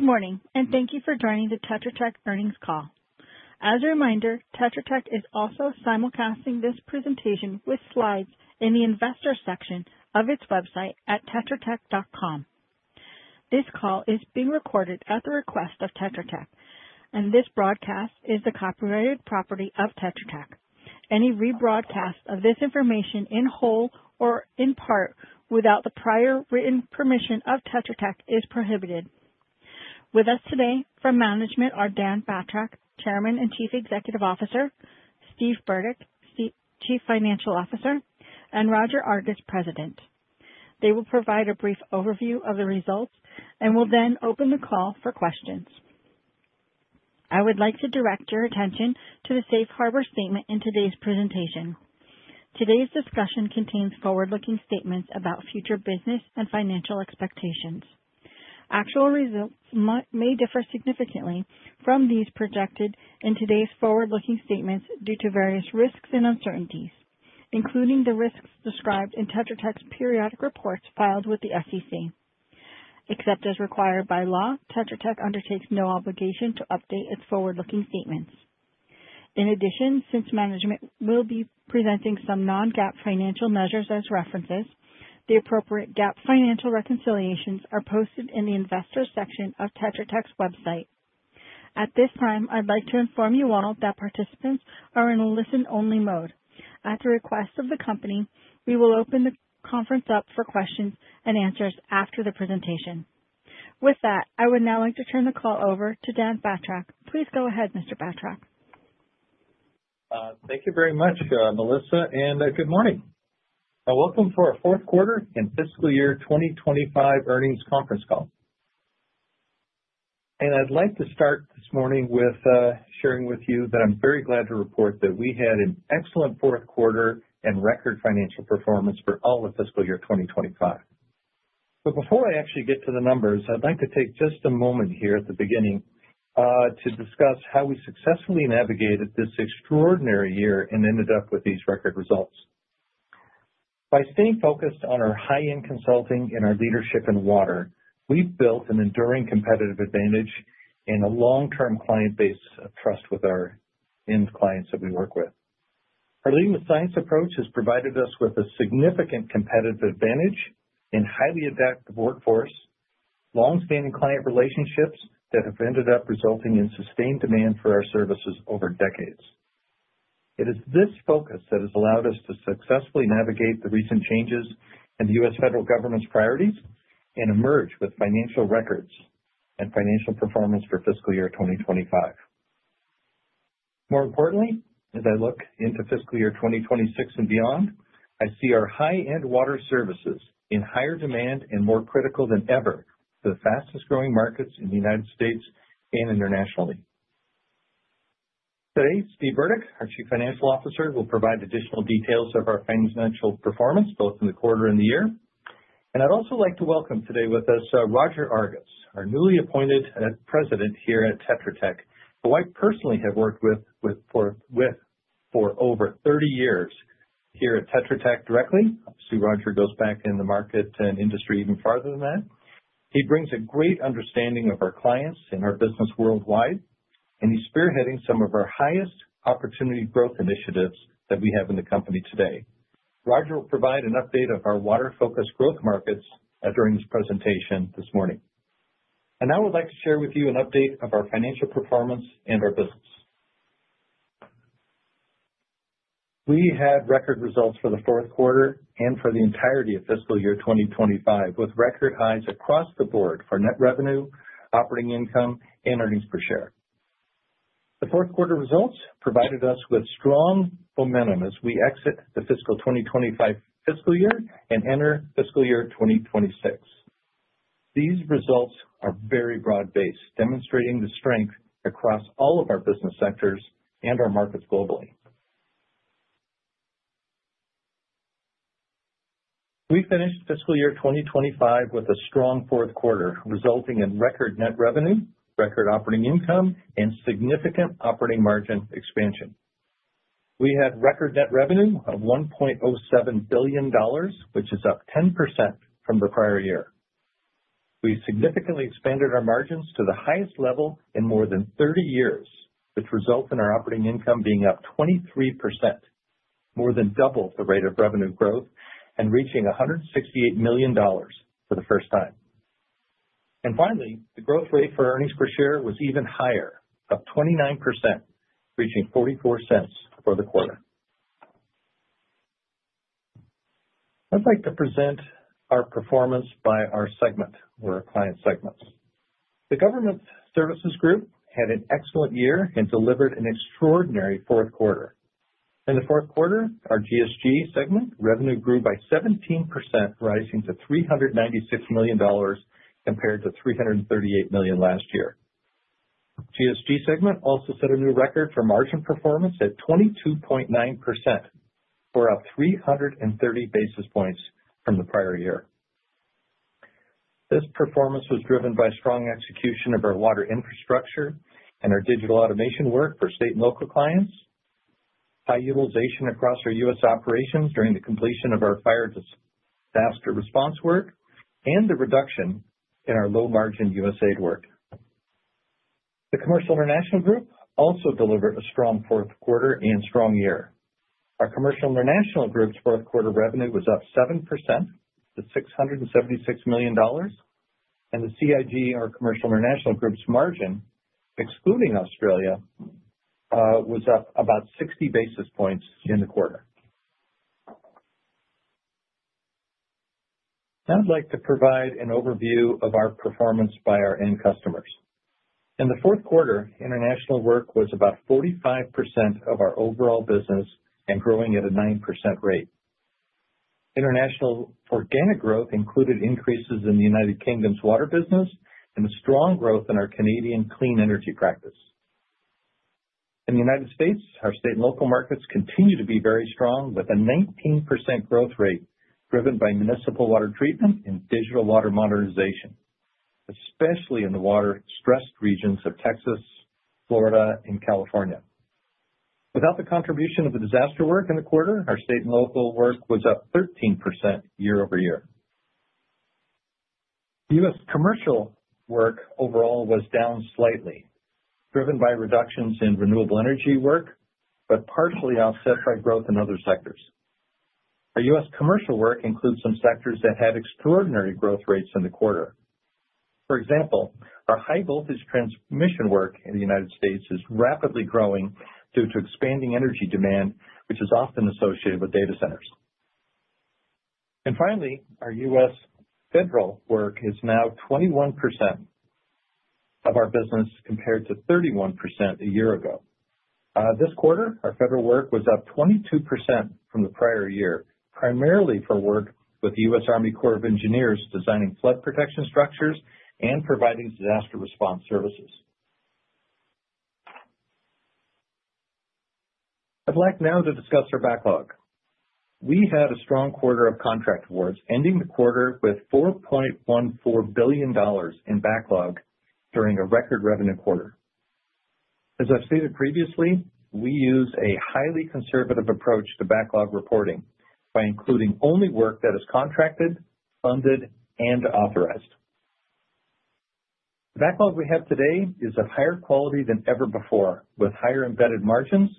Good morning, and thank you for joining the Tetra Tech earnings call. As a reminder, Tetra Tech is also simulcasting this presentation with slides in the investor section of its website at tetratech.com. This call is being recorded at the request of Tetra Tech, and this broadcast is the copyrighted property of Tetra Tech. Any rebroadcast of this information in whole or in part without the prior written permission of Tetra Tech is prohibited. With us today from management are Dan Batrack, Chairman and Chief Executive Officer, Steve Burdick, Chief Financial Officer, and Roger Argus, President. They will provide a brief overview of the results and will then open the call for questions. I would like to direct your attention to the Safe Harbor statement in today's presentation. Today's discussion contains forward-looking statements about future business and financial expectations. Actual results may differ significantly from those projected in today's forward-looking statements due to various risks and uncertainties, including the risks described in Tetra Tech's periodic reports filed with the SEC. Except as required by law, Tetra Tech undertakes no obligation to update its forward-looking statements. In addition, since management will be presenting some non-GAAP financial measures as references, the appropriate GAAP financial reconciliations are posted in the investor section of Tetra Tech's website. At this time, I'd like to inform you all that participants are in a listen-only mode. At the request of the company, we will open the conference up for questions and answers after the presentation. With that, I would now like to turn the call over to Dan Batrack. Please go ahead, Mr. Batrack. Thank you very much, Melissa, and good morning. Welcome to our fourth quarter and fiscal year 2025 earnings conference call. I would like to start this morning with sharing with you that I am very glad to report that we had an excellent fourth quarter and record financial performance for all of fiscal year 2025. Before I actually get to the numbers, I would like to take just a moment here at the beginning to discuss how we successfully navigated this extraordinary year and ended up with these record results. By staying focused on our high-end consulting and our leadership in water, we have built an enduring competitive advantage and a long-term client base of trust with our end clients that we work with. Our leading with science approach has provided us with a significant competitive advantage and highly adaptive workforce, long-standing client relationships that have ended up resulting in sustained demand for our services over decades. It is this focus that has allowed us to successfully navigate the recent changes in the U.S. federal government's priorities and emerge with financial records and financial performance for fiscal year 2025. More importantly, as I look into fiscal year 2026 and beyond, I see our high-end water services in higher demand and more critical than ever for the fastest-growing markets in the United States and internationally. Today, Steve Burdick, our Chief Financial Officer, will provide additional details of our financial performance both in the quarter and the year. I would also like to welcome today with us Roger Argus, our newly appointed President here at Tetra Tech, who I personally have worked with for over 30 years here at Tetra Tech directly. I see Roger goes back in the market and industry even farther than that. He brings a great understanding of our clients and our business worldwide, and he is spearheading some of our highest opportunity growth initiatives that we have in the company today. Roger will provide an update of our water-focused growth markets during this presentation this morning. I would now like to share with you an update of our financial performance and our business. We had record results for the fourth quarter and for the entirety of fiscal year 2025, with record highs across the board for net revenue, operating income, and earnings per share. The fourth quarter results provided us with strong momentum as we exit the fiscal 2025 fiscal year and enter fiscal year 2026. These results are very broad-based, demonstrating the strength across all of our business sectors and our markets globally. We finished fiscal year 2025 with a strong fourth quarter, resulting in record net revenue, record operating income, and significant operating margin expansion. We had record net revenue of $1.07 billion, which is up 10% from the prior year. We significantly expanded our margins to the highest level in more than 30 years, which resulted in our operating income being up 23%, more than double the rate of revenue growth, and reaching $168 million for the first time. Finally, the growth rate for earnings per share was even higher, up 29%, reaching $0.44 for the quarter. I'd like to present our performance by our segment, or our client segments. The government services group had an excellent year and delivered an extraordinary fourth quarter. In the fourth quarter, our GSG segment revenue grew by 17%, rising to $396 million compared to $338 million last year. GSG segment also set a new record for margin performance at 22.9%, or up 330 basis points from the prior year. This performance was driven by strong execution of our water infrastructure and our digital automation work for state and local clients, high utilization across our U.S. operations during the completion of our fire disaster response work, and the reduction in our low-margin USAID work. The commercial international group also delivered a strong fourth quarter and strong year. Our commercial international group's fourth quarter revenue was up 7% to $676 million, and the CIG, our commercial international group's margin, excluding Australia, was up about 60 basis points in the quarter. Now I'd like to provide an overview of our performance by our end customers. In the fourth quarter, international work was about 45% of our overall business and growing at a 9% rate. International organic growth included increases in the United Kingdom's water business and strong growth in our Canadian clean energy practice. In the United States, our state and local markets continue to be very strong, with a 19% growth rate driven by municipal water treatment and digital water modernization, especially in the water-stressed regions of Texas, Florida, and California. Without the contribution of the disaster work in the quarter, our state and local work was up 13% year over year. U.S. commercial work overall was down slightly, driven by reductions in renewable energy work, but partially offset by growth in other sectors. Our U.S. commercial work includes some sectors that had extraordinary growth rates in the quarter. For example, our high-voltage transmission work in the United States is rapidly growing due to expanding energy demand, which is often associated with data centers. Finally, our U.S. federal work is now 21% of our business compared to 31% a year ago. This quarter, our federal work was up 22% from the prior year, primarily for work with the U.S. Army Corps of Engineers designing flood protection structures and providing disaster response services. I'd like now to discuss our backlog. We had a strong quarter of contract awards, ending the quarter with $4.14 billion in backlog during a record revenue quarter. As I've stated previously, we use a highly conservative approach to backlog reporting by including only work that is contracted, funded, and authorized. The backlog we have today is of higher quality than ever before, with higher embedded margins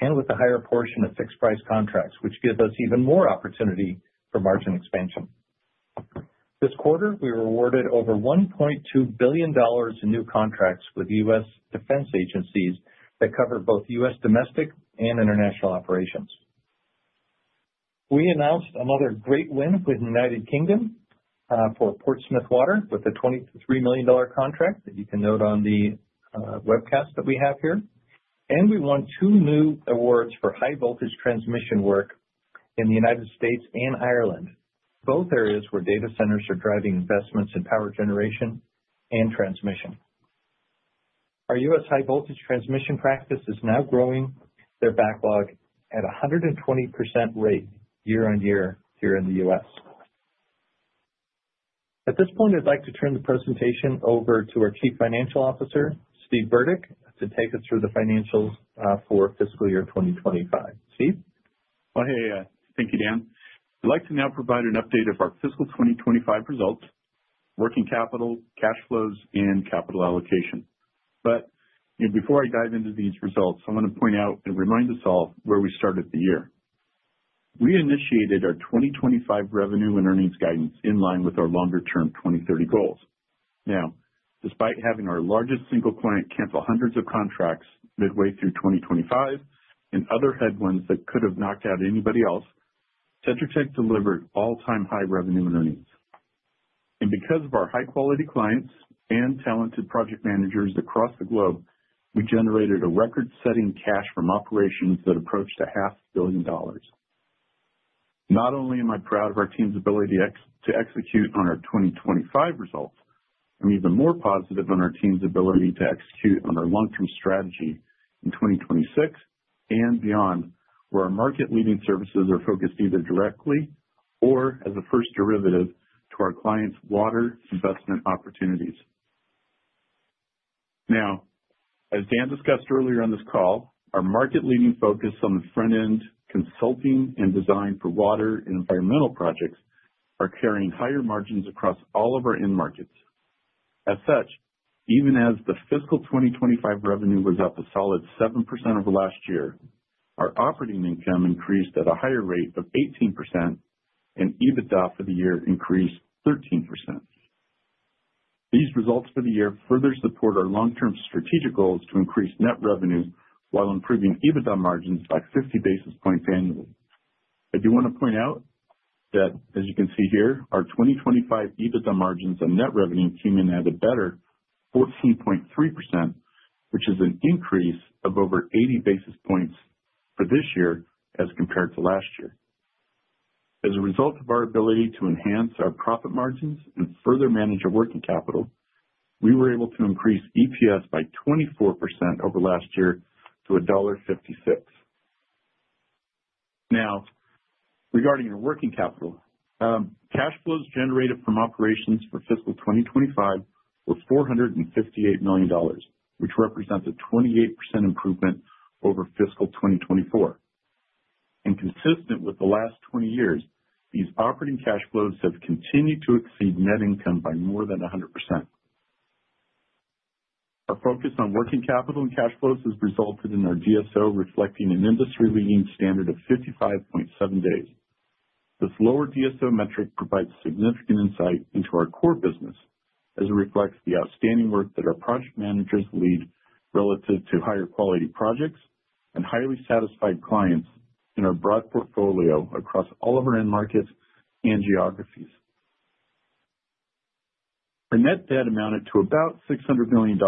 and with a higher portion of fixed-price contracts, which give us even more opportunity for margin expansion. This quarter, we were awarded over $1.2 billion in new contracts with U.S. defense agencies that cover both U.S. domestic and international operations. We announced another great win with the U.K. for Portsmouth Water with a $23 million contract that you can note on the webcast that we have here. We won two new awards for high-voltage transmission work in the United States and Ireland, both areas where data centers are driving investments in power generation and transmission. Our U.S. high-voltage transmission practice is now growing their backlog at a 120% rate year on year here in the U.S. At this point, I'd like to turn the presentation over to our Chief Financial Officer, Steve Burdick, to take us through the financials for fiscal year 2025. Steve? Thank you, Dan. I'd like to now provide an update of our fiscal 2025 results, working capital, cash flows, and capital allocation. Before I dive into these results, I want to point out and remind us all where we started the year. We initiated our 2025 revenue and earnings guidance in line with our longer-term 2030 goals. Despite having our largest single client cancel hundreds of contracts midway through 2025 and other headwinds that could have knocked out anybody else, Tetra Tech delivered all-time high revenue and earnings. Because of our high-quality clients and talented project managers across the globe, we generated a record-setting cash from operations that approached $500,000,000. Not only am I proud of our team's ability to execute on our 2025 results, I'm even more positive on our team's ability to execute on our long-term strategy in 2026 and beyond, where our market-leading services are focused either directly or as a first derivative to our clients' water investment opportunities. Now, as Dan discussed earlier on this call, our market-leading focus on the front-end consulting and design for water and environmental projects are carrying higher margins across all of our end markets. As such, even as the fiscal 2025 revenue was up a solid 7% over last year, our operating income increased at a higher rate of 18%, and EBITDA for the year increased 13%. These results for the year further support our long-term strategic goals to increase net revenue while improving EBITDA margins by 50 basis points annually. I do want to point out that, as you can see here, our 2025 EBITDA margins on net revenue came in at a better 14.3%, which is an increase of over 80 basis points for this year as compared to last year. As a result of our ability to enhance our profit margins and further manage our working capital, we were able to increase EPS by 24% over last year to $1.56. Now, regarding our working capital, cash flows generated from operations for fiscal 2025 were $458 million, which represents a 28% improvement over fiscal 2024. Consistent with the last 20 years, these operating cash flows have continued to exceed net income by more than 100%. Our focus on working capital and cash flows has resulted in our DSO reflecting an industry-leading standard of 55.7 days. This lower DSO metric provides significant insight into our core business as it reflects the outstanding work that our project managers lead relative to higher-quality projects and highly satisfied clients in our broad portfolio across all of our end markets and geographies. Our net debt amounted to about $600 million,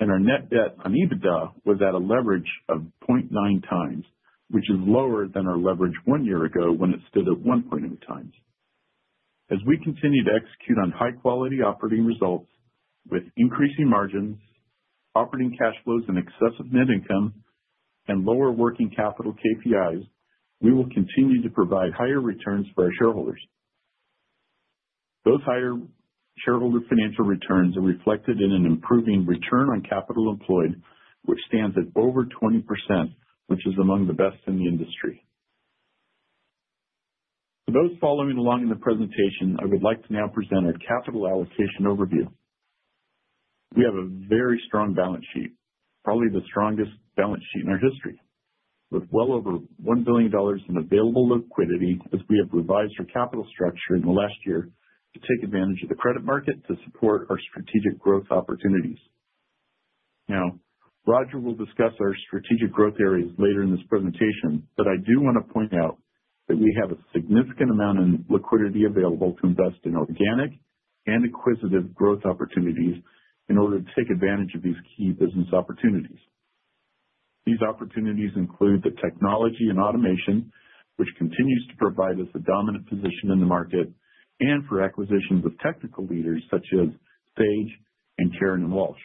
and our net debt on EBITDA was at a leverage of 0.9 times, which is lower than our leverage one year ago when it stood at 1.8 times. As we continue to execute on high-quality operating results with increasing margins, operating cash flows in excess of net income, and lower working capital KPIs, we will continue to provide higher returns for our shareholders. Those higher shareholder financial returns are reflected in an improving return on capital employed, which stands at over 20%, which is among the best in the industry. For those following along in the presentation, I would like to now present our capital allocation overview. We have a very strong balance sheet, probably the strongest balance sheet in our history, with well over $1 billion in available liquidity as we have revised our capital structure in the last year to take advantage of the credit market to support our strategic growth opportunities. Now, Roger will discuss our strategic growth areas later in this presentation, but I do want to point out that we have a significant amount of liquidity available to invest in organic and acquisitive growth opportunities in order to take advantage of these key business opportunities. These opportunities include the technology and automation, which continues to provide us a dominant position in the market and for acquisitions of technical leaders such as Sage and Karen and Walsh.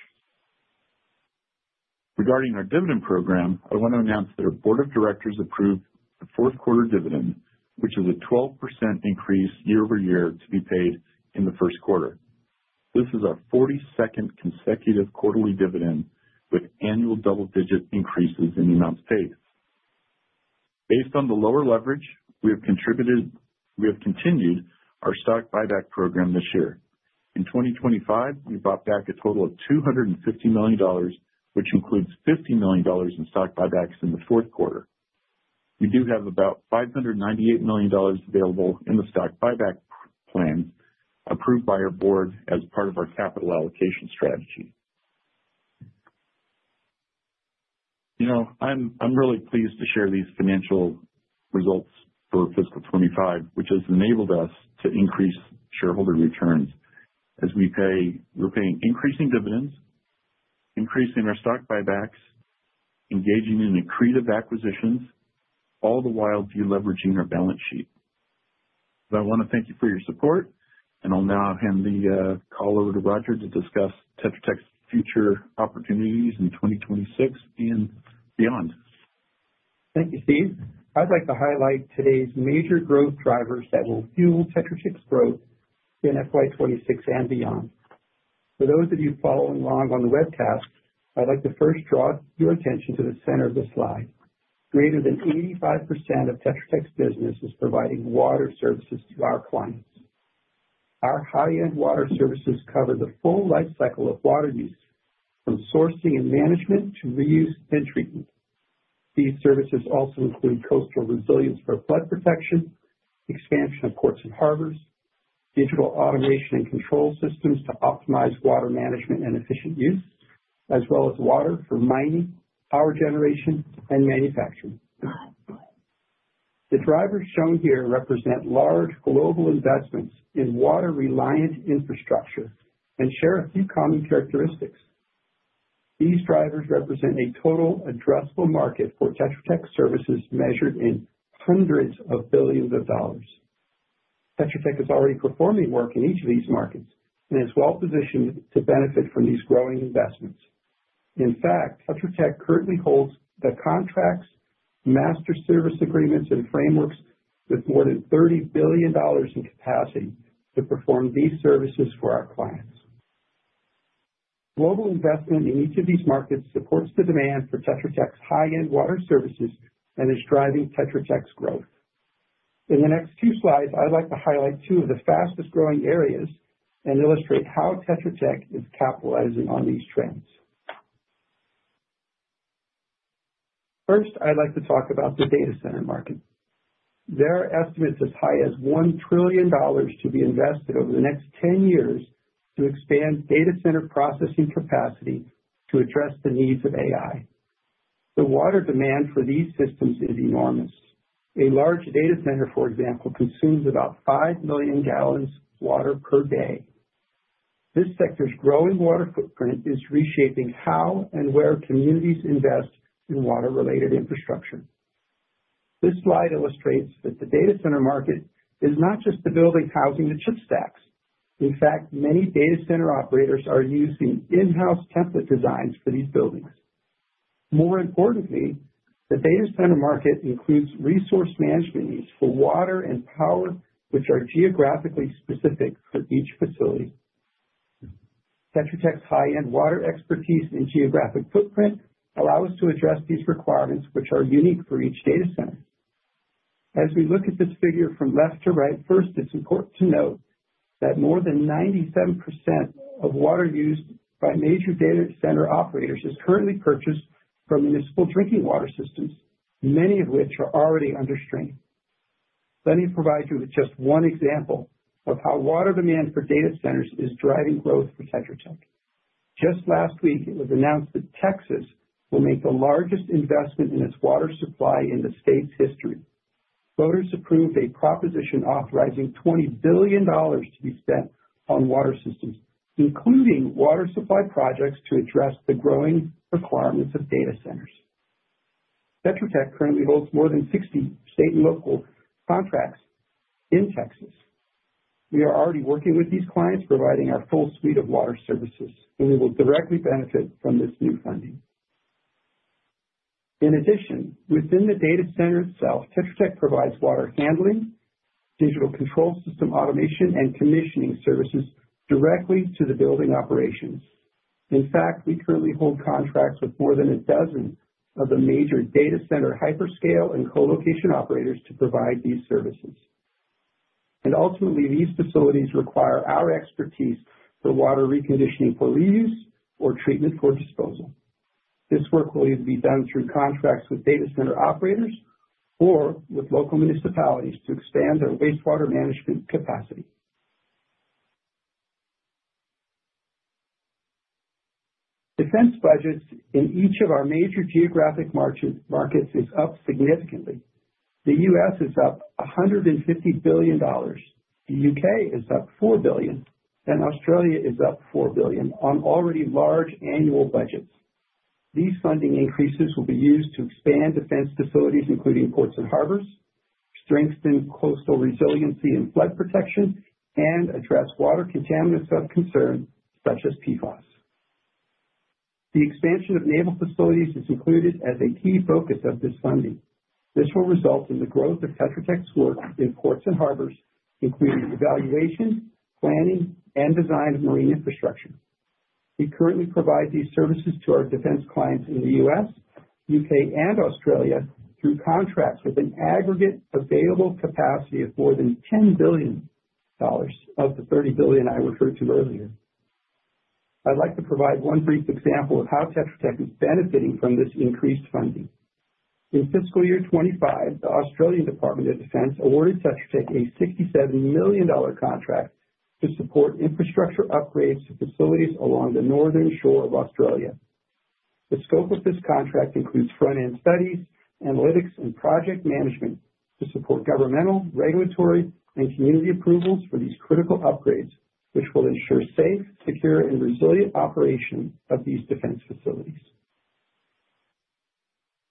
Regarding our dividend program, I want to announce that our board of directors approved the fourth quarter dividend, which is a 12% increase year over year to be paid in the first quarter. This is our 42nd consecutive quarterly dividend with annual double-digit increases in the amounts paid. Based on the lower leverage, we have continued our stock buyback program this year. In 2025, we bought back a total of $250 million, which includes $50 million in stock buybacks in the fourth quarter. We do have about $598 million available in the stock buyback plan approved by our board as part of our capital allocation strategy. You know, I'm really pleased to share these financial results for fiscal 2025, which has enabled us to increase shareholder returns as we're paying increasing dividends, increasing our stock buybacks, engaging in accretive acquisitions, all the while deleveraging our balance sheet. I want to thank you for your support, and I'll now hand the call over to Roger to discuss Tetra Tech's future opportunities in 2026 and beyond. Thank you, Steve. I'd like to highlight today's major growth drivers that will fuel Tetra Tech's growth in FY 2026 and beyond. For those of you following along on the webcast, I'd like to first draw your attention to the center of the slide. Greater than 85% of Tetra Tech's business is providing water services to our clients. Our high-end water services cover the full life cycle of water use, from sourcing and management to reuse and treatment. These services also include coastal resilience for flood protection, expansion of ports and harbors, digital automation and control systems to optimize water management and efficient use, as well as water for mining, power generation, and manufacturing. The drivers shown here represent large global investments in water-reliant infrastructure and share a few common characteristics. These drivers represent a total addressable market for Tetra Tech services measured in hundreds of billions of dollars. Tetra Tech is already performing work in each of these markets and is well-positioned to benefit from these growing investments. In fact, Tetra Tech currently holds the contracts, master service agreements, and frameworks with more than $30 billion in capacity to perform these services for our clients. Global investment in each of these markets supports the demand for Tetra Tech's high-end water services and is driving Tetra Tech's growth. In the next few slides, I'd like to highlight two of the fastest-growing areas and illustrate how Tetra Tech is capitalizing on these trends. First, I'd like to talk about the data center market. There are estimates as high as $1 trillion to be invested over the next 10 years to expand data center processing capacity to address the needs of AI. The water demand for these systems is enormous. A large data center, for example, consumes about 5 million gallons of water per day. This sector's growing water footprint is reshaping how and where communities invest in water-related infrastructure. This slide illustrates that the data center market is not just the buildings, housing, and chip stacks. In fact, many data center operators are using in-house template designs for these buildings. More importantly, the data center market includes resource management needs for water and power, which are geographically specific for each facility. Tetra Tech's high-end water expertise and geographic footprint allow us to address these requirements, which are unique for each data center. As we look at this figure from left to right, first, it's important to note that more than 97% of water used by major data center operators is currently purchased from municipal drinking water systems, many of which are already under strain. Let me provide you with just one example of how water demand for data centers is driving growth for Tetra Tech. Just last week, it was announced that Texas will make the largest investment in its water supply in the state's history. Voters approved a proposition authorizing $20 billion to be spent on water systems, including water supply projects to address the growing requirements of data centers. Tetra Tech currently holds more than 60 state and local contracts in Texas. We are already working with these clients, providing our full suite of water services, and we will directly benefit from this new funding. In addition, within the data center itself, Tetra Tech provides water handling, digital control system automation, and commissioning services directly to the building operations. In fact, we currently hold contracts with more than a dozen of the major data center hyperscale and co-location operators to provide these services. Ultimately, these facilities require our expertise for water reconditioning for reuse or treatment for disposal. This work will either be done through contracts with data center operators or with local municipalities to expand their wastewater management capacity. Defense budgets in each of our major geographic markets are up significantly. The U.S. is up $150 billion, the U.K. is up 4 billion, and Australia is up 4 billion on already large annual budgets. These funding increases will be used to expand defense facilities, including ports and harbors, strengthen coastal resiliency and flood protection, and address water contaminants of concern, such as PFAS. The expansion of naval facilities is included as a key focus of this funding. This will result in the growth of Tetra Tech's work in ports and harbors, including evaluation, planning, and design of marine infrastructure. We currently provide these services to our defense clients in the U.S., U.K., and Australia through contracts with an aggregate available capacity of more than $10 billion, of the $30 billion I referred to earlier. I'd like to provide one brief example of how Tetra Tech is benefiting from this increased funding. In fiscal year 2025, the Australian Department of Defense awarded Tetra Tech a $67 million contract to support infrastructure upgrades to facilities along the northern shore of Australia. The scope of this contract includes front-end studies, analytics, and project management to support governmental, regulatory, and community approvals for these critical upgrades, which will ensure safe, secure, and resilient operations of these defense facilities.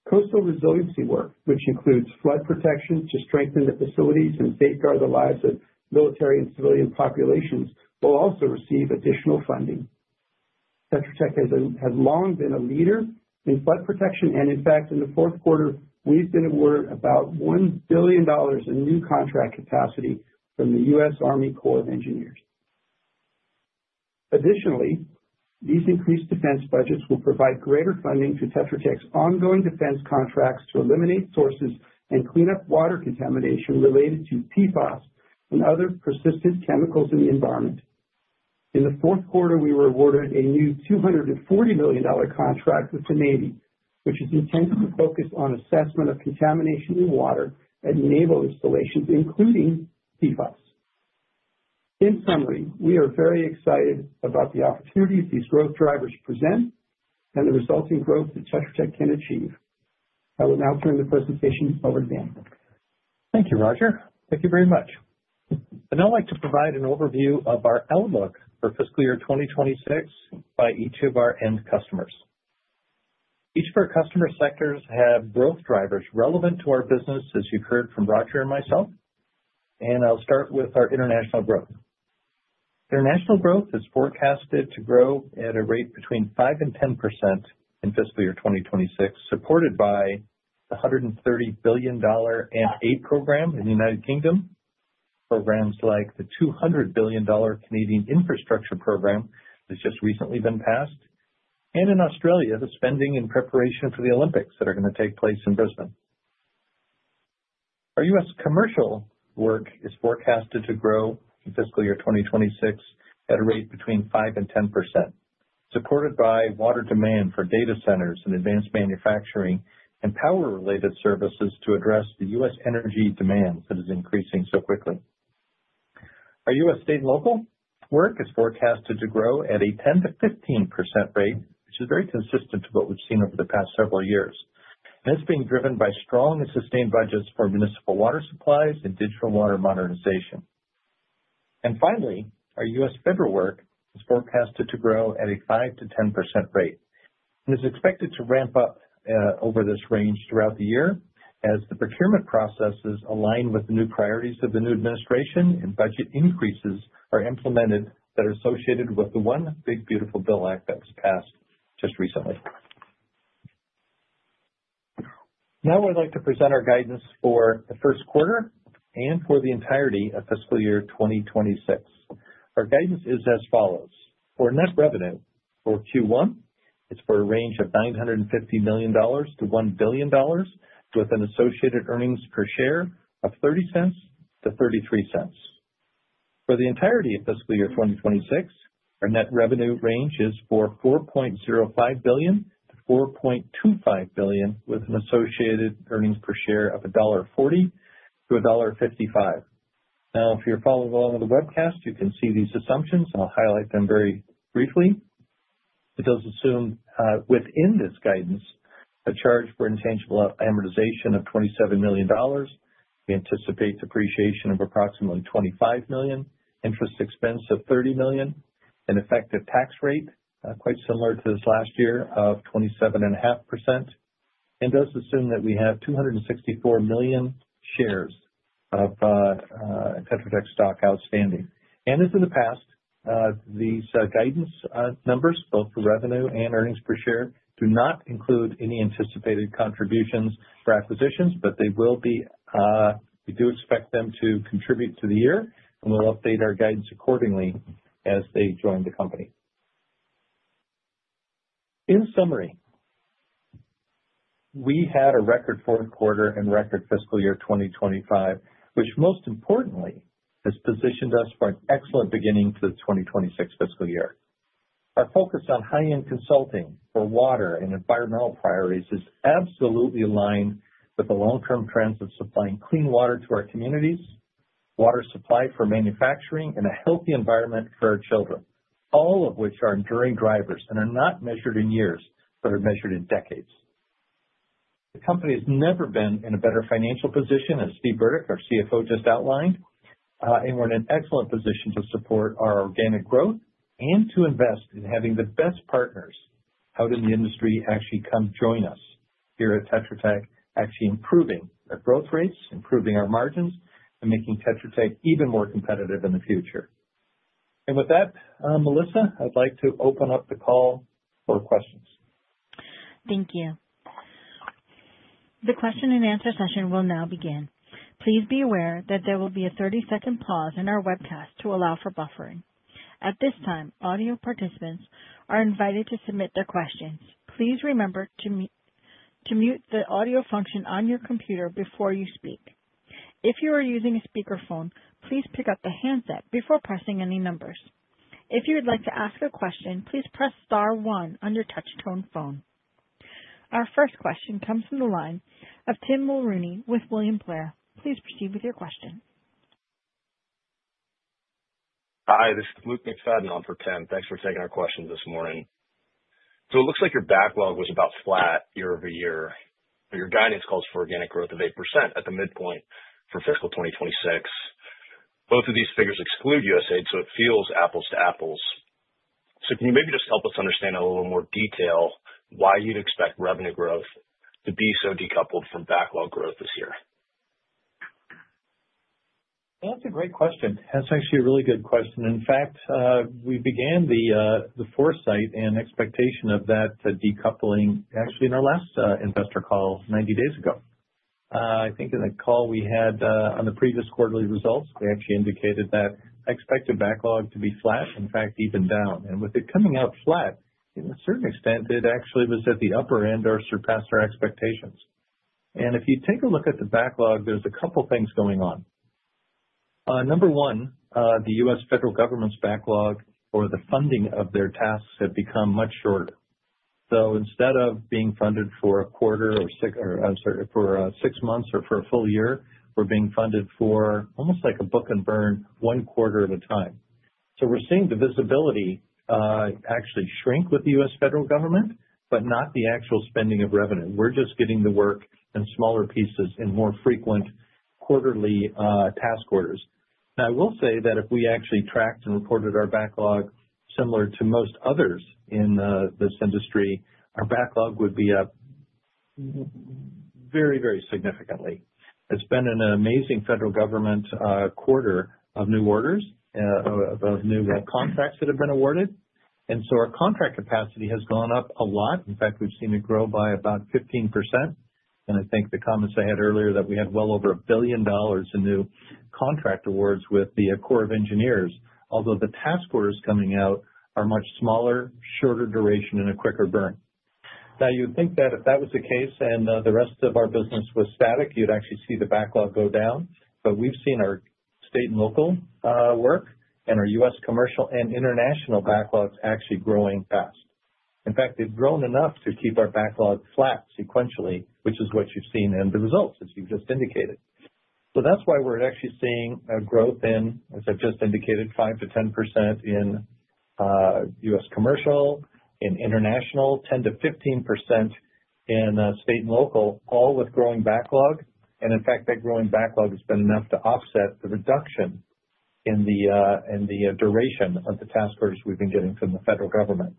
Coastal resiliency work, which includes flood protection to strengthen the facilities and safeguard the lives of military and civilian populations, will also receive additional funding. Tetra Tech has long been a leader in flood protection, and in fact, in the fourth quarter, we've been awarded about $1 billion in new contract capacity from the U.S. Army Corps of Engineers. Additionally, these increased defense budgets will provide greater funding to Tetra Tech's ongoing defense contracts to eliminate sources and clean up water contamination related to PFAS and other persistent chemicals in the environment. In the fourth quarter, we were awarded a new $240 million contract with the Navy, which is intended to focus on assessment of contamination in water at naval installations, including PFAS. In summary, we are very excited about the opportunities these growth drivers present and the resulting growth that Tetra Tech can achieve. I will now turn the presentation over to Dan. Thank you, Roger. Thank you very much. I'd like to provide an overview of our outlook for fiscal year 2026 by each of our end customers. Each of our customer sectors have growth drivers relevant to our business, as you've heard from Roger and myself. I'll start with our international growth. International growth is forecasted to grow at a rate between 5% and 10% in fiscal year 2026, supported by the $130 billion AMPAIT program in the U.K., programs like the 200 billion Canadian dollars Canadian Infrastructure Program that's just recently been passed, and in Australia, the spending in preparation for the Olympics that are going to take place in Brisbane. Our U.S. commercial work is forecasted to grow in fiscal year 2026 at a rate between 5% and 10%, supported by water demand for data centers and advanced manufacturing and power-related services to address the U.S. Energy demand that is increasing so quickly. Our U.S. state and local work is forecasted to grow at a 10%-15% rate, which is very consistent to what we've seen over the past several years. It is being driven by strong and sustained budgets for municipal water supplies and digital water modernization. Finally, our U.S. federal work is forecasted to grow at a 5%-10% rate and is expected to ramp up over this range throughout the year as the procurement processes align with the new priorities of the new administration and budget increases are implemented that are associated with the One Big Beautiful Bill Act that was passed just recently. Now, I'd like to present our guidance for the first quarter and for the entirety of fiscal year 2026. Our guidance is as follows. For net revenue for Q1, it's for a range of $950 million-$1 billion, with an associated earnings per share of $0.30-$0.33. For the entirety of fiscal year 2026, our net revenue range is for $4.05 billion-$4.25 billion, with an associated earnings per share of $1.40-$1.55. Now, if you're following along with the webcast, you can see these assumptions. I'll highlight them very briefly. It does assume within this guidance a charge for intangible amortization of $27 million. We anticipate depreciation of approximately $25 million, interest expense of $30 million, an effective tax rate quite similar to this last year of 27.5%, and does assume that we have 264 million shares of Tetra Tech stock outstanding. As in the past, these guidance numbers, both for revenue and earnings per share, do not include any anticipated contributions for acquisitions, but they will be—we do expect them to contribute to the year, and we'll update our guidance accordingly as they join the company. In summary, we had a record fourth quarter and record fiscal year 2025, which most importantly has positioned us for an excellent beginning to the 2026 fiscal year. Our focus on high-end consulting for water and environmental priorities is absolutely aligned with the long-term trends of supplying clean water to our communities, water supply for manufacturing, and a healthy environment for our children, all of which are enduring drivers and are not measured in years, but are measured in decades. The company has never been in a better financial position, as Steve Burdick, our CFO, just outlined, and we're in an excellent position to support our organic growth and to invest in having the best partners. How did the industry actually come join us here at Tetra Tech, actually improving our growth rates, improving our margins, and making Tetra Tech even more competitive in the future? With that, Melissa, I'd like to open up the call for questions. Thank you. The question-and-answer session will now begin. Please be aware that there will be a 30-second pause in our webcast to allow for buffering. At this time, audio participants are invited to submit their questions. Please remember to mute the audio function on your computer before you speak. If you are using a speakerphone, please pick up the handset before pressing any numbers. If you would like to ask a question, please press star one on your touch-tone phone. Our first question comes from the line of Tim Mulrooney with William Blair. Please proceed with your question. Hi, this is Luke McFadden on for Tim. Thanks for taking our questions this morning. It looks like your backlog was about flat year over year. Your guidance calls for organic growth of 8% at the midpoint for fiscal 2026. Both of these figures exclude USAID, so it feels apples to apples. Can you maybe just help us understand in a little more detail why you'd expect revenue growth to be so decoupled from backlog growth this year? That's a great question. That's actually a really good question. In fact, we began the foresight and expectation of that decoupling actually in our last investor call 90 days ago. I think in the call we had on the previous quarterly results, they actually indicated that I expected backlog to be flat, in fact, even down. With it coming out flat, to a certain extent, it actually was at the upper end or surpassed our expectations. If you take a look at the backlog, there's a couple of things going on. Number one, the U.S. federal government's backlog or the funding of their tasks has become much shorter. Instead of being funded for a quarter or six months or for a full year, we're being funded for almost like a book and burn one quarter at a time. We're seeing the visibility actually shrink with the U.S. federal government, but not the actual spending of revenue. We're just getting the work in smaller pieces in more frequent quarterly task orders. I will say that if we actually tracked and reported our backlog similar to most others in this industry, our backlog would be up very, very significantly. It's been an amazing federal government quarter of new orders, of new contracts that have been awarded. Our contract capacity has gone up a lot. In fact, we've seen it grow by about 15%. I think the comments I had earlier that we had well over $1 billion in new contract awards with the U.S. Army Corps of Engineers, although the task orders coming out are much smaller, shorter duration, and a quicker burn. Now, you'd think that if that was the case and the rest of our business was static, you'd actually see the backlog go down. We have seen our state and local work and our U.S. commercial and international backlogs actually growing fast. In fact, they've grown enough to keep our backlog flat sequentially, which is what you've seen in the results, as you've just indicated. That is why we're actually seeing a growth in, as I've just indicated, 5%-10% in U.S. commercial, in international, 10%-15% in state and local, all with growing backlog. In fact, that growing backlog has been enough to offset the reduction in the duration of the task orders we've been getting from the federal government.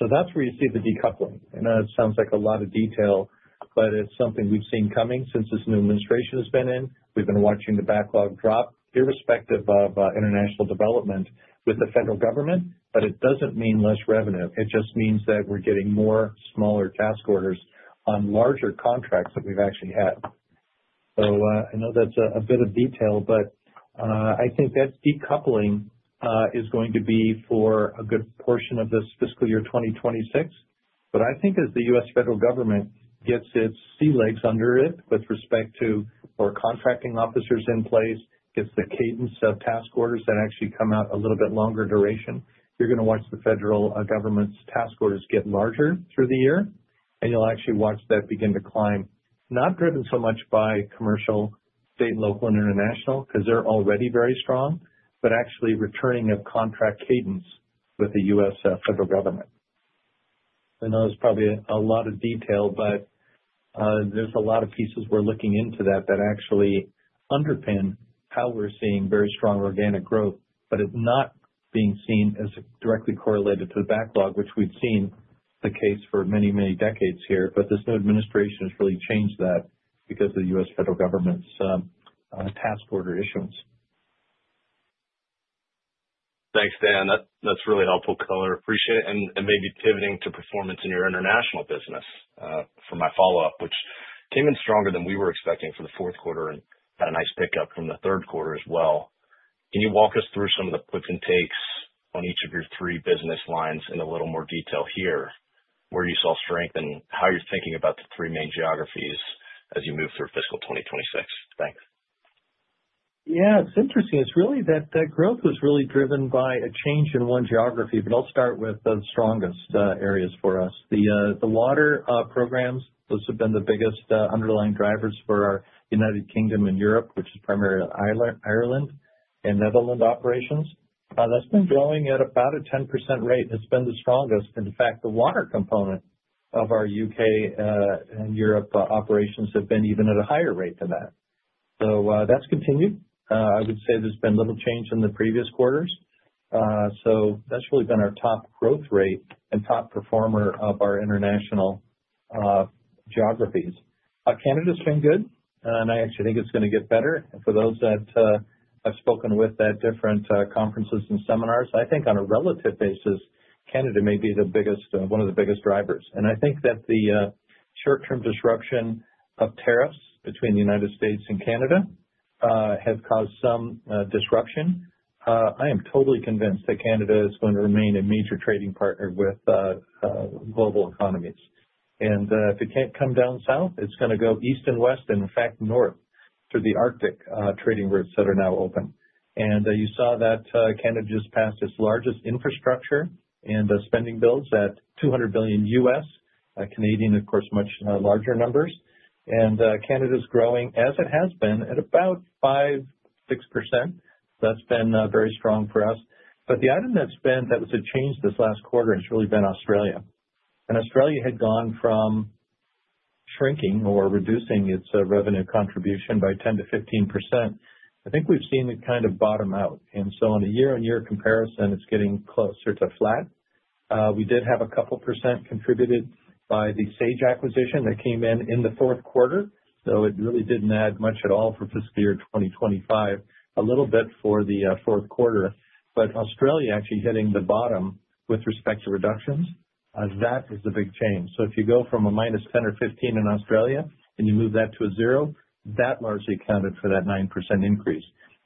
That is where you see the decoupling. I know it sounds like a lot of detail, but it's something we've seen coming since this new administration has been in. We've been watching the backlog drop irrespective of international development with the federal government, but it doesn't mean less revenue. It just means that we're getting more smaller task orders on larger contracts that we've actually had. I know that's a bit of detail, but I think that decoupling is going to be for a good portion of this fiscal year 2026. I think as the U.S. Federal government gets its sea legs under it with respect to our contracting officers in place, gets the cadence of task orders that actually come out a little bit longer duration, you're going to watch the federal government's task orders get larger through the year, and you'll actually watch that begin to climb, not driven so much by commercial, state and local, and international, because they're already very strong, but actually returning of contract cadence with the U.S. federal government. I know there's probably a lot of detail, but there's a lot of pieces we're looking into that that actually underpin how we're seeing very strong organic growth, but it's not being seen as directly correlated to the backlog, which we've seen the case for many, many decades here. This new administration has really changed that because of the U.S. federal government's task order issuance. Thanks, Dan. That's really helpfu color. Appreciate it. Maybe pivoting to performance in your international business for my follow-up, which came in stronger than we were expecting for the fourth quarter and had a nice pickup from the third quarter as well. Can you walk us through some of the quick intakes on each of your three business lines in a little more detail here, where you saw strength and how you're thinking about the three main geographies as you move through fiscal 2026? Thanks. Yeah, it's interesting. It's really that growth was really driven by a change in one geography, but I'll start with the strongest areas for us. The water programs, those have been the biggest underlying drivers for our United Kingdom and Europe, which is primarily Ireland and Netherlands operations. That's been growing at about a 10% rate. It's been the strongest. In fact, the water component of our U.K. and Europe operations have been even at a higher rate than that. That has continued. I would say there's been little change in the previous quarters. That has really been our top growth rate and top performer of our international geographies. Canada's been good, and I actually think it's going to get better. For those that I've spoken with at different conferences and seminars, I think on a relative basis, Canada may be one of the biggest drivers. I think that the short-term disruption of tariffs between the U.S. and Canada has caused some disruption. I am totally convinced that Canada is going to remain a major trading partner with global economies. If it cannot come down south, it is going to go east and west and, in fact, north through the Arctic trading routes that are now open. You saw that Canada just passed its largest infrastructure and spending bills at 200 billion, of course, much larger numbers. Canada is growing, as it has been, at about 5%-6%. That has been very strong for us. The item that was a change this last quarter has really been Australia. Australia had gone from shrinking or reducing its revenue contribution by 10%-15%. I think we have seen it kind of bottom out. On a year-on-year comparison, it's getting closer to flat. We did have a couple % contributed by the Sage acquisition that came in in the fourth quarter. It really did not add much at all for fiscal year 2025, a little bit for the fourth quarter. Australia actually hitting the bottom with respect to reductions, that is the big change. If you go from a minus 10-15% in Australia and you move that to zero, that largely accounted for that 9% increase.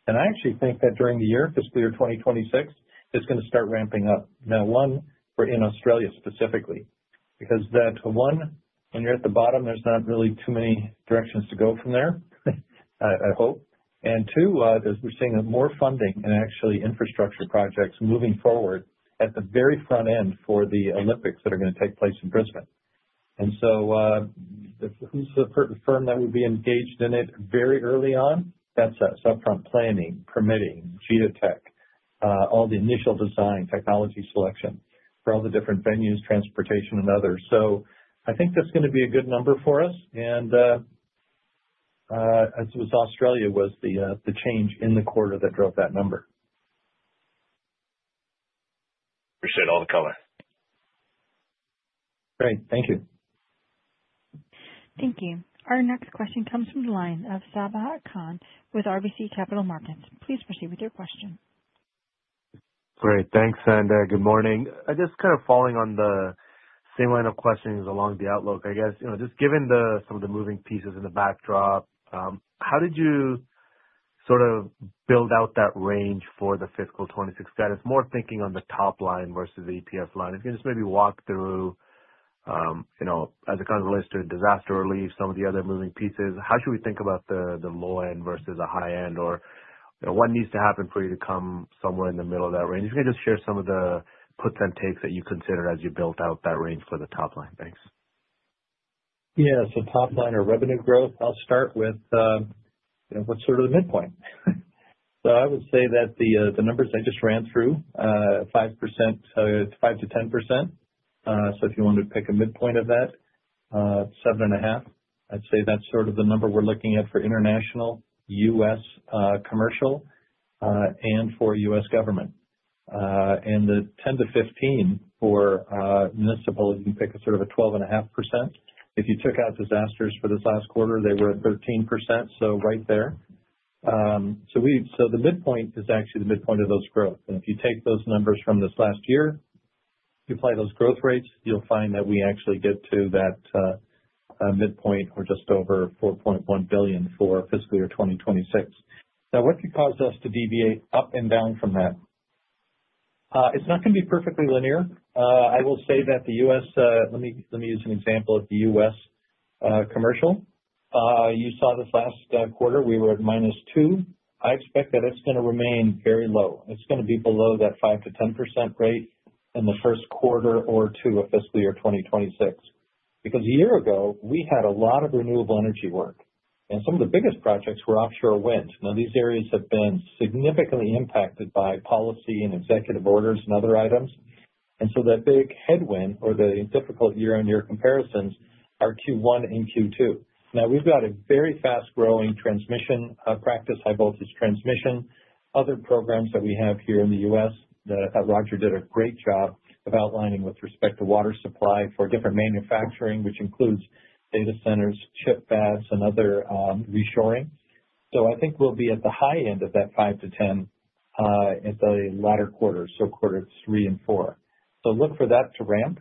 I actually think that during the year, fiscal year 2026, it's going to start ramping up. Now, one, for in Australia specifically, because that one, when you're at the bottom, there's not really too many directions to go from there, I hope. As we're seeing more funding and actually infrastructure projects moving forward at the very front end for the Olympics that are going to take place in Brisbane. Who's the firm that would be engaged in it very early on? That's us. Upfront planning, permitting, Geotech, all the initial design, technology selection for all the different venues, transportation, and others. I think that's going to be a good number for us. It was Australia was the change in the quarter that drove that number. Appreciate all the color. Great. Thank you. Thank you. Our next question comes from the line of Sabahat Khan with RBC Capital Markets. Please proceed with your question. Great. Thanks. Good morning. I'm just kind of following on the same line of questions along the outlook, I guess. Just given some of the moving pieces in the backdrop, how did you sort of build out that range for the fiscal 2026? That is more thinking on the top line versus the EPS line. If you can just maybe walk through, as it kind of relates to disaster relief, some of the other moving pieces, how should we think about the low end versus the high end, or what needs to happen for you to come somewhere in the middle of that range? If you can just share some of the puts and takes that you considered as you built out that range for the top line. Thanks. Yeah. Top line or revenue growth, I'll start with what's sort of the midpoint. I would say that the numbers I just ran through, 5%, 5%-10%. If you want to pick a midpoint of that, 7.5%, I'd say that's sort of the number we're looking at for international, U.S. commercial, and for U.S. government. The 10%-15% for municipal, you can pick a sort of a 12.5%. If you took out disasters for this last quarter, they were at 13%. Right there. The midpoint is actually the midpoint of those growth. If you take those numbers from this last year, you apply those growth rates, you'll find that we actually get to that midpoint or just over $4.1 billion for fiscal year 2026. Now, what could cause us to deviate up and down from that? It's not going to be perfectly linear. I will say that the U.S., let me use an example of the U.S. commercial. You saw this last quarter, we were at -2. I expect that it's going to remain very low. It's going to be below that 5%-10% rate in the first quarter or two of fiscal year 2026. Because a year ago, we had a lot of renewable energy work. And some of the biggest projects were offshore wind. Now, these areas have been significantly impacted by policy and executive orders and other items. That big headwind or the difficult year-on-year comparisons are Q1 and Q2. Now, we've got a very fast-growing transmission practice, high-voltage transmission, other programs that we have here in the U.S. that Roger did a great job of outlining with respect to water supply for different manufacturing, which includes data centers, chip pads, and other reshoring. I think we'll be at the high end of that 5%-10% at the latter quarter, so quarters three and four. Look for that to ramp.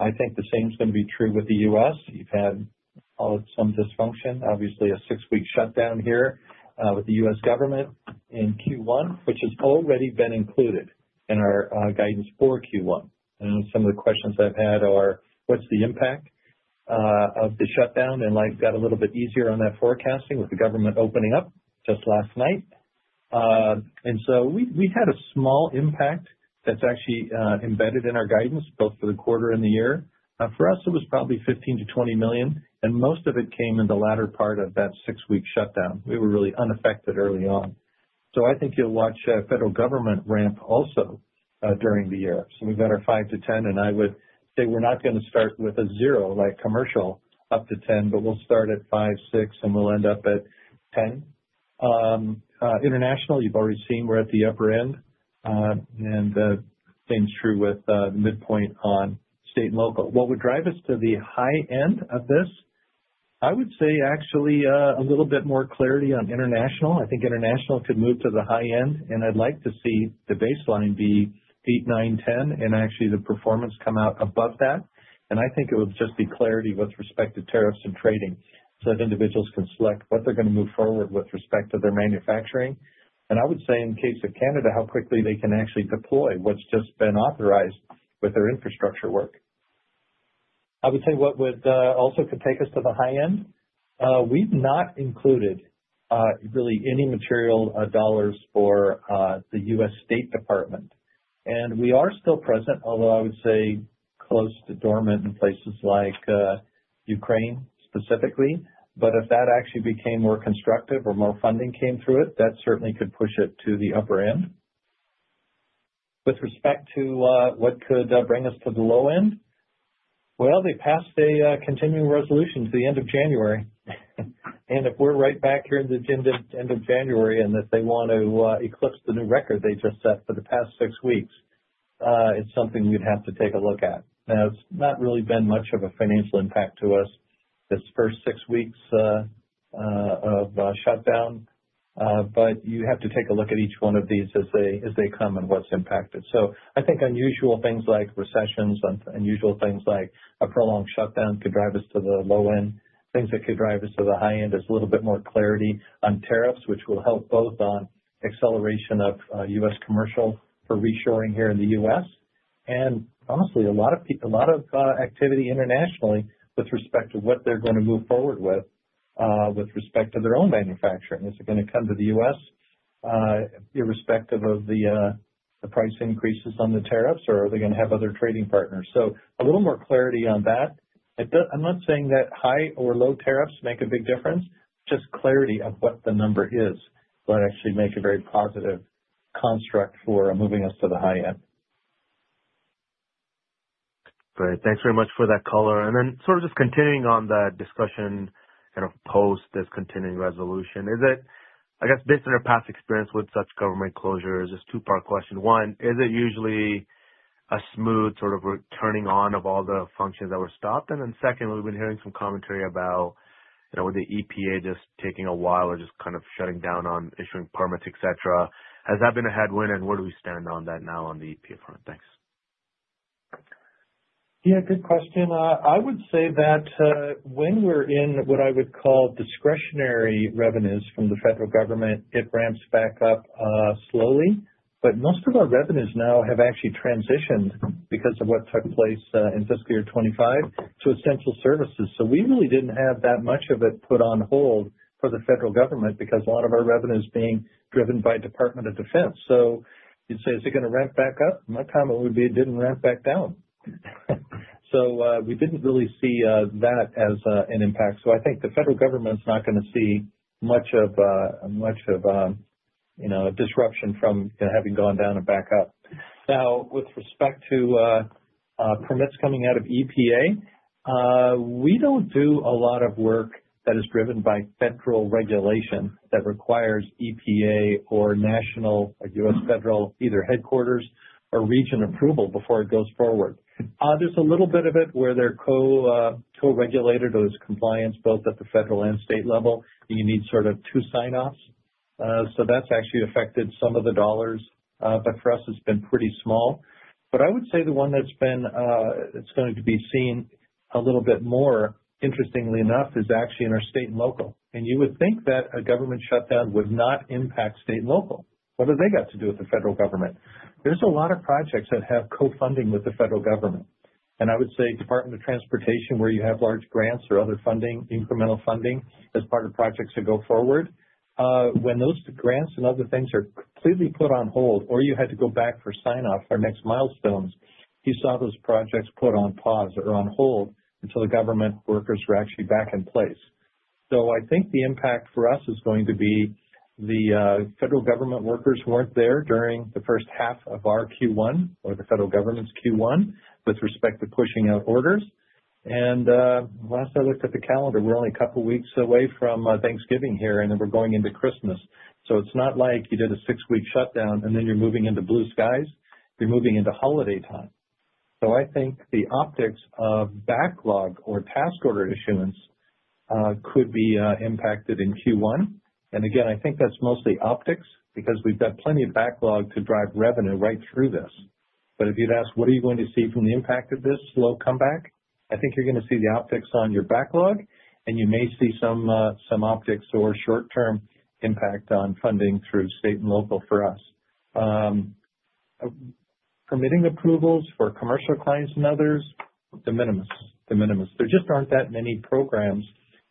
I think the same is going to be true with the U.S. You've had some dysfunction, obviously a six-week shutdown here with the U.S. government in Q1, which has already been included in our guidance for Q1. Some of the questions I've had are, what's the impact of the shutdown? Life got a little bit easier on that forecasting with the government opening up just last night. We've had a small impact that's actually embedded in our guidance, both for the quarter and the year. For us, it was probably $15 million-$20 million. And most of it came in the latter part of that six-week shutdown. We were really unaffected early on. I think you'll watch federal government ramp also during the year. We've got our $5 million-$10 million, and I would say we're not going to start with a zero like commercial up to $10 million, but we'll start at $5 million, $6 million, and we'll end up at $10 million. International, you've already seen we're at the upper end. Same is true with the midpoint on state and local. What would drive us to the high end of this? I would say actually a little bit more clarity on international. I think international could move to the high end. I'd like to see the baseline be $8 million, $9 million, $10 million, and actually the performance come out above that. I think it would just be clarity with respect to tariffs and trading so that individuals can select what they're going to move forward with respect to their manufacturing. I would say in the case of Canada, how quickly they can actually deploy what's just been authorized with their infrastructure work. I would say what would also could take us to the high end. We've not included really any material dollars for the U.S. State Department. We are still present, although I would say close to dormant in places like Ukraine specifically. If that actually became more constructive or more funding came through it, that certainly could push it to the upper end. With respect to what could bring us to the low end, they passed a continuing resolution to the end of January. If we're right back here in the end of January and they want to eclipse the new record they just set for the past six weeks, it's something we'd have to take a look at. Now, it's not really been much of a financial impact to us this first six weeks of shutdown, but you have to take a look at each one of these as they come and what's impacted. I think unusual things like recessions and unusual things like a prolonged shutdown could drive us to the low end. Things that could drive us to the high end is a little bit more clarity on tariffs, which will help both on acceleration of U.S. commercial for reshoring here in the U.S. Honestly, a lot of activity internationally with respect to what they're going to move forward with with respect to their own manufacturing. Is it going to come to the U.S. irrespective of the price increases on the tariffs, or are they going to have other trading partners? A little more clarity on that. I'm not saying that high or low tariffs make a big difference. Just clarity of what the number is will actually make a very positive construct for moving us to the high end. Great. Thanks very much for that color. And then sort of just continuing on the discussion kind of post this continuing resolution, is it, I guess, based on your past experience with such government closures, just two-part question. One, is it usually a smooth sort of turning on of all the functions that were stopped? And then second, we've been hearing some commentary about with the EPA just taking a while or just kind of shutting down on issuing permits, etc. Has that been a headwind, and where do we stand on that now on the EPA front? Thanks. Yeah, good question. I would say that when we're in what I would call discretionary revenues from the federal government, it ramps back up slowly. But most of our revenues now have actually transitioned because of what took place in fiscal year 2025 to essential services. So we really didn't have that much of it put on hold for the federal government because a lot of our revenue is being driven by Department of Defense. You'd say, is it going to ramp back up? My comment would be it didn't ramp back down. We didn't really see that as an impact. I think the federal government's not going to see much of a disruption from having gone down and back up. Now, with respect to permits coming out of EPA, we do not do a lot of work that is driven by federal regulation that requires EPA or national or U.S. federal either headquarters or region approval before it goes forward. There is a little bit of it where they are co-regulated or there is compliance both at the federal and state level. You need sort of two sign-offs. That has actually affected some of the dollars. For us, it has been pretty small. I would say the one that is going to be seen a little bit more, interestingly enough, is actually in our state and local. You would think that a government shutdown would not impact state and local. What have they got to do with the federal government? There are a lot of projects that have co-funding with the federal government. I would say Department of Transportation, where you have large grants or other funding, incremental funding as part of projects to go forward, when those grants and other things are completely put on hold, or you had to go back for sign-off for next milestones, you saw those projects put on pause or on hold until the government workers were actually back in place. I think the impact for us is going to be the federal government workers who were not there during the first half of our Q1 or the federal government's Q1 with respect to pushing out orders. Last I looked at the calendar, we are only a couple of weeks away from Thanksgiving here, and then we are going into Christmas. It is not like you did a six-week shutdown and then you are moving into blue skies. You are moving into holiday time. I think the optics of backlog or task order issuance could be impacted in Q1. Again, I think that's mostly optics because we've got plenty of backlog to drive revenue right through this. If you'd ask, what are you going to see from the impact of this slow comeback? I think you're going to see the optics on your backlog, and you may see some optics or short-term impact on funding through state and local for us. Permitting approvals for commercial clients and others, de minimis. De minimis. There just aren't that many programs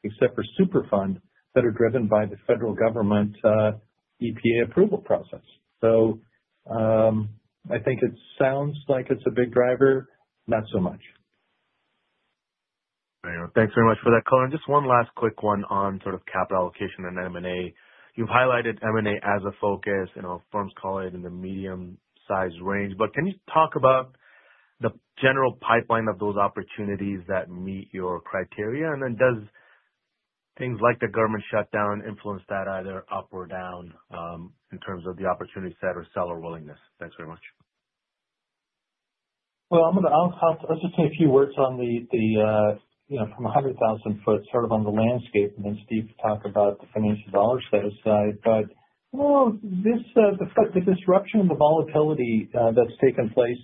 except for Superfund that are driven by the federal government EPA approval process. I think it sounds like it's a big driver, not so much. Thanks very much for that color. Just one last quick one on sort of capital allocation and M&A. You've highlighted M&A as a focus. Firms call it in the medium-sized range. Can you talk about the general pipeline of those opportunities that meet your criteria? Does things like the government shutdown influence that either up or down in terms of the opportunity set or seller willingness? Thanks very much. I'm going to let's just say a few words on the from 100,000 foot sort of on the landscape, and then Steve can talk about the financial dollars set aside. The disruption and the volatility that's taken place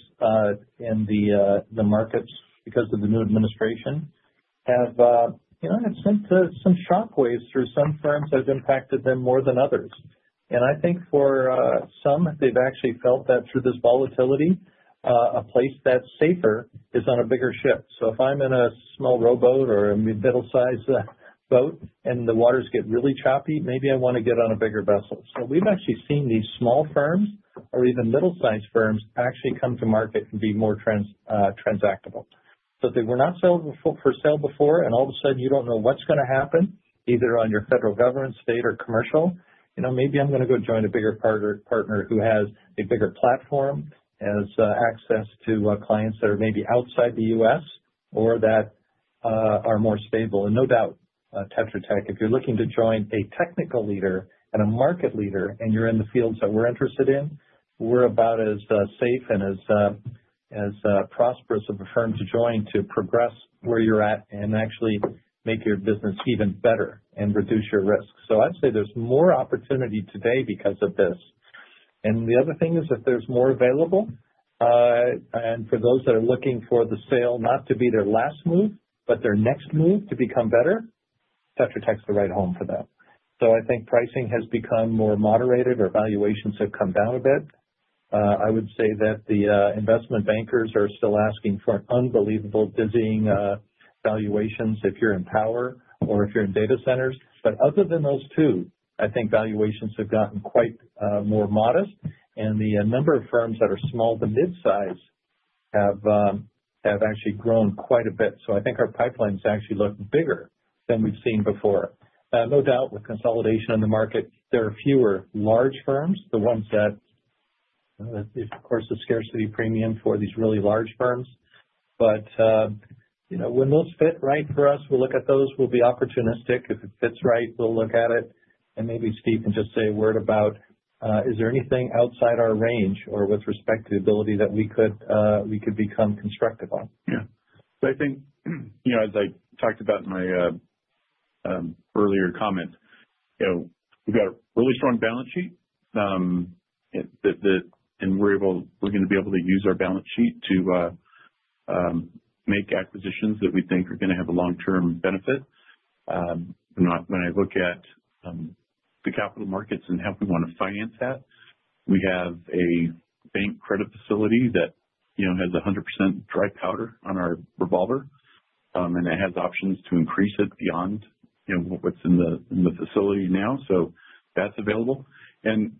in the markets because of the new administration have sent some shockwaves through some firms that have impacted them more than others. I think for some, they've actually felt that through this volatility, a place that's safer is on a bigger ship. If I'm in a small rowboat or a middle-sized boat and the waters get really choppy, maybe I want to get on a bigger vessel. We've actually seen these small firms or even middle-sized firms actually come to market and be more transactable. If they were not for sale before, and all of a sudden you do not know what is going to happen either on your federal government, state, or commercial, maybe I am going to go join a bigger partner who has a bigger platform, has access to clients that are maybe outside the U.S. or that are more stable. No doubt, Tetra Tech, if you are looking to join a technical leader and a market leader and you are in the fields that we are interested in, we are about as safe and as prosperous of a firm to join to progress where you are at and actually make your business even better and reduce your risk. I would say there is more opportunity today because of this. The other thing is if there's more available, and for those that are looking for the sale not to be their last move, but their next move to become better, Tetra Tech's the right home for that. I think pricing has become more moderated or valuations have come down a bit. I would say that the investment bankers are still asking for unbelievable, dizzying valuations if you're in power or if you're in data centers. Other than those two, I think valuations have gotten quite more modest. The number of firms that are small to mid-size have actually grown quite a bit. I think our pipelines actually look bigger than we've seen before. No doubt, with consolidation in the market, there are fewer large firms, the ones that, of course, the scarcity premium for these really large firms. When those fit right for us, we'll look at those. We'll be opportunistic. If it fits right, we'll look at it. Maybe Steve can just say a word about, is there anything outside our range or with respect to the ability that we could become constructive on? Yeah. I think, as I talked about in my earlier comment, we've got a really strong balance sheet, and we're going to be able to use our balance sheet to make acquisitions that we think are going to have a long-term benefit. When I look at the capital markets and how we want to finance that, we have a bank credit facility that has 100% dry powder on our revolver, and it has options to increase it beyond what's in the facility now. That is available.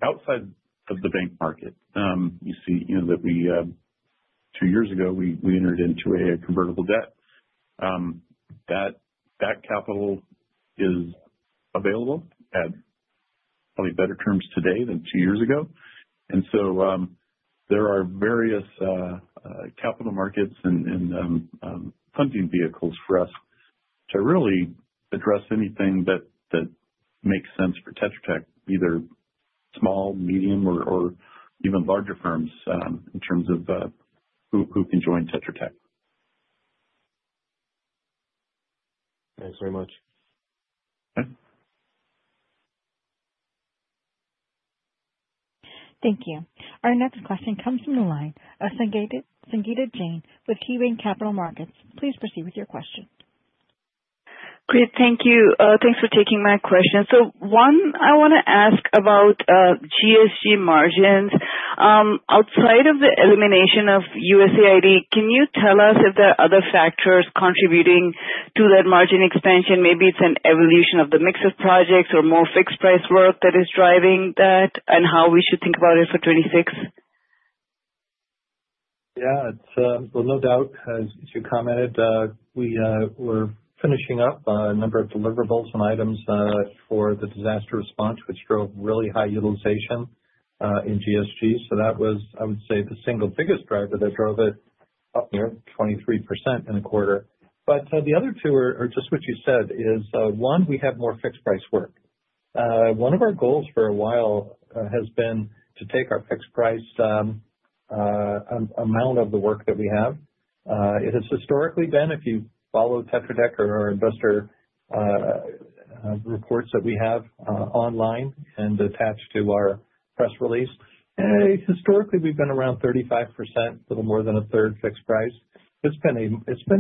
Outside of the bank market, you see that two years ago, we entered into a convertible debt. That capital is available at probably better terms today than two years ago. There are various capital markets and funding vehicles for us to really address anything that makes sense for Tetra Tech, either small, medium, or even larger firms in terms of who can join Tetra Tech. Thanks very much. Thank you. Our next question comes from the line of Sangita Jain with KeyBanc Capital Markets. Please proceed with your question. Great. Thank you. Thanks for taking my question. One, I want to ask about GSG margins. Outside of the elimination of USAID, can you tell us if there are other factors contributing to that margin expansion? Maybe it is an evolution of the mix of projects or more fixed-price work that is driving that and how we should think about it for 2026? Yeah. No doubt, as you commented, we were finishing up a number of deliverables and items for the disaster response, which drove really high utilization in GSG. That was, I would say, the single biggest driver that drove it up near 23% in a quarter. The other two are just what you said is, one, we have more fixed price work. One of our goals for a while has been to take our fixed price amount of the work that we have. It has historically been, if you follow Tetra Tech or our investor reports that we have online and attached to our press release, historically, we've been around 35%, a little more than a third fixed price. It's been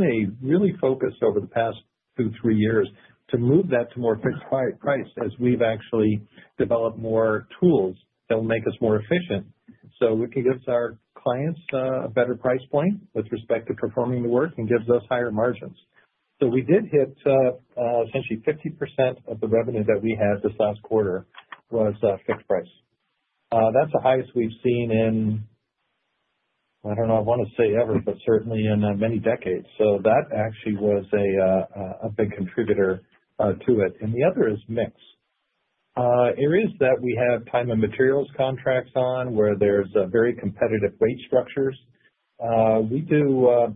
a really focus over the past two, three years to move that to more fixed price as we've actually developed more tools that will make us more efficient so we can give our clients a better price point with respect to performing the work and gives us higher margins. We did hit essentially 50% of the revenue that we had this last quarter was fixed price. That's the highest we've seen in, I don't know, I want to say ever, but certainly in many decades. That actually was a big contributor to it. The other is mix. Areas that we have time and materials contracts on where there's very competitive weight structures. We do a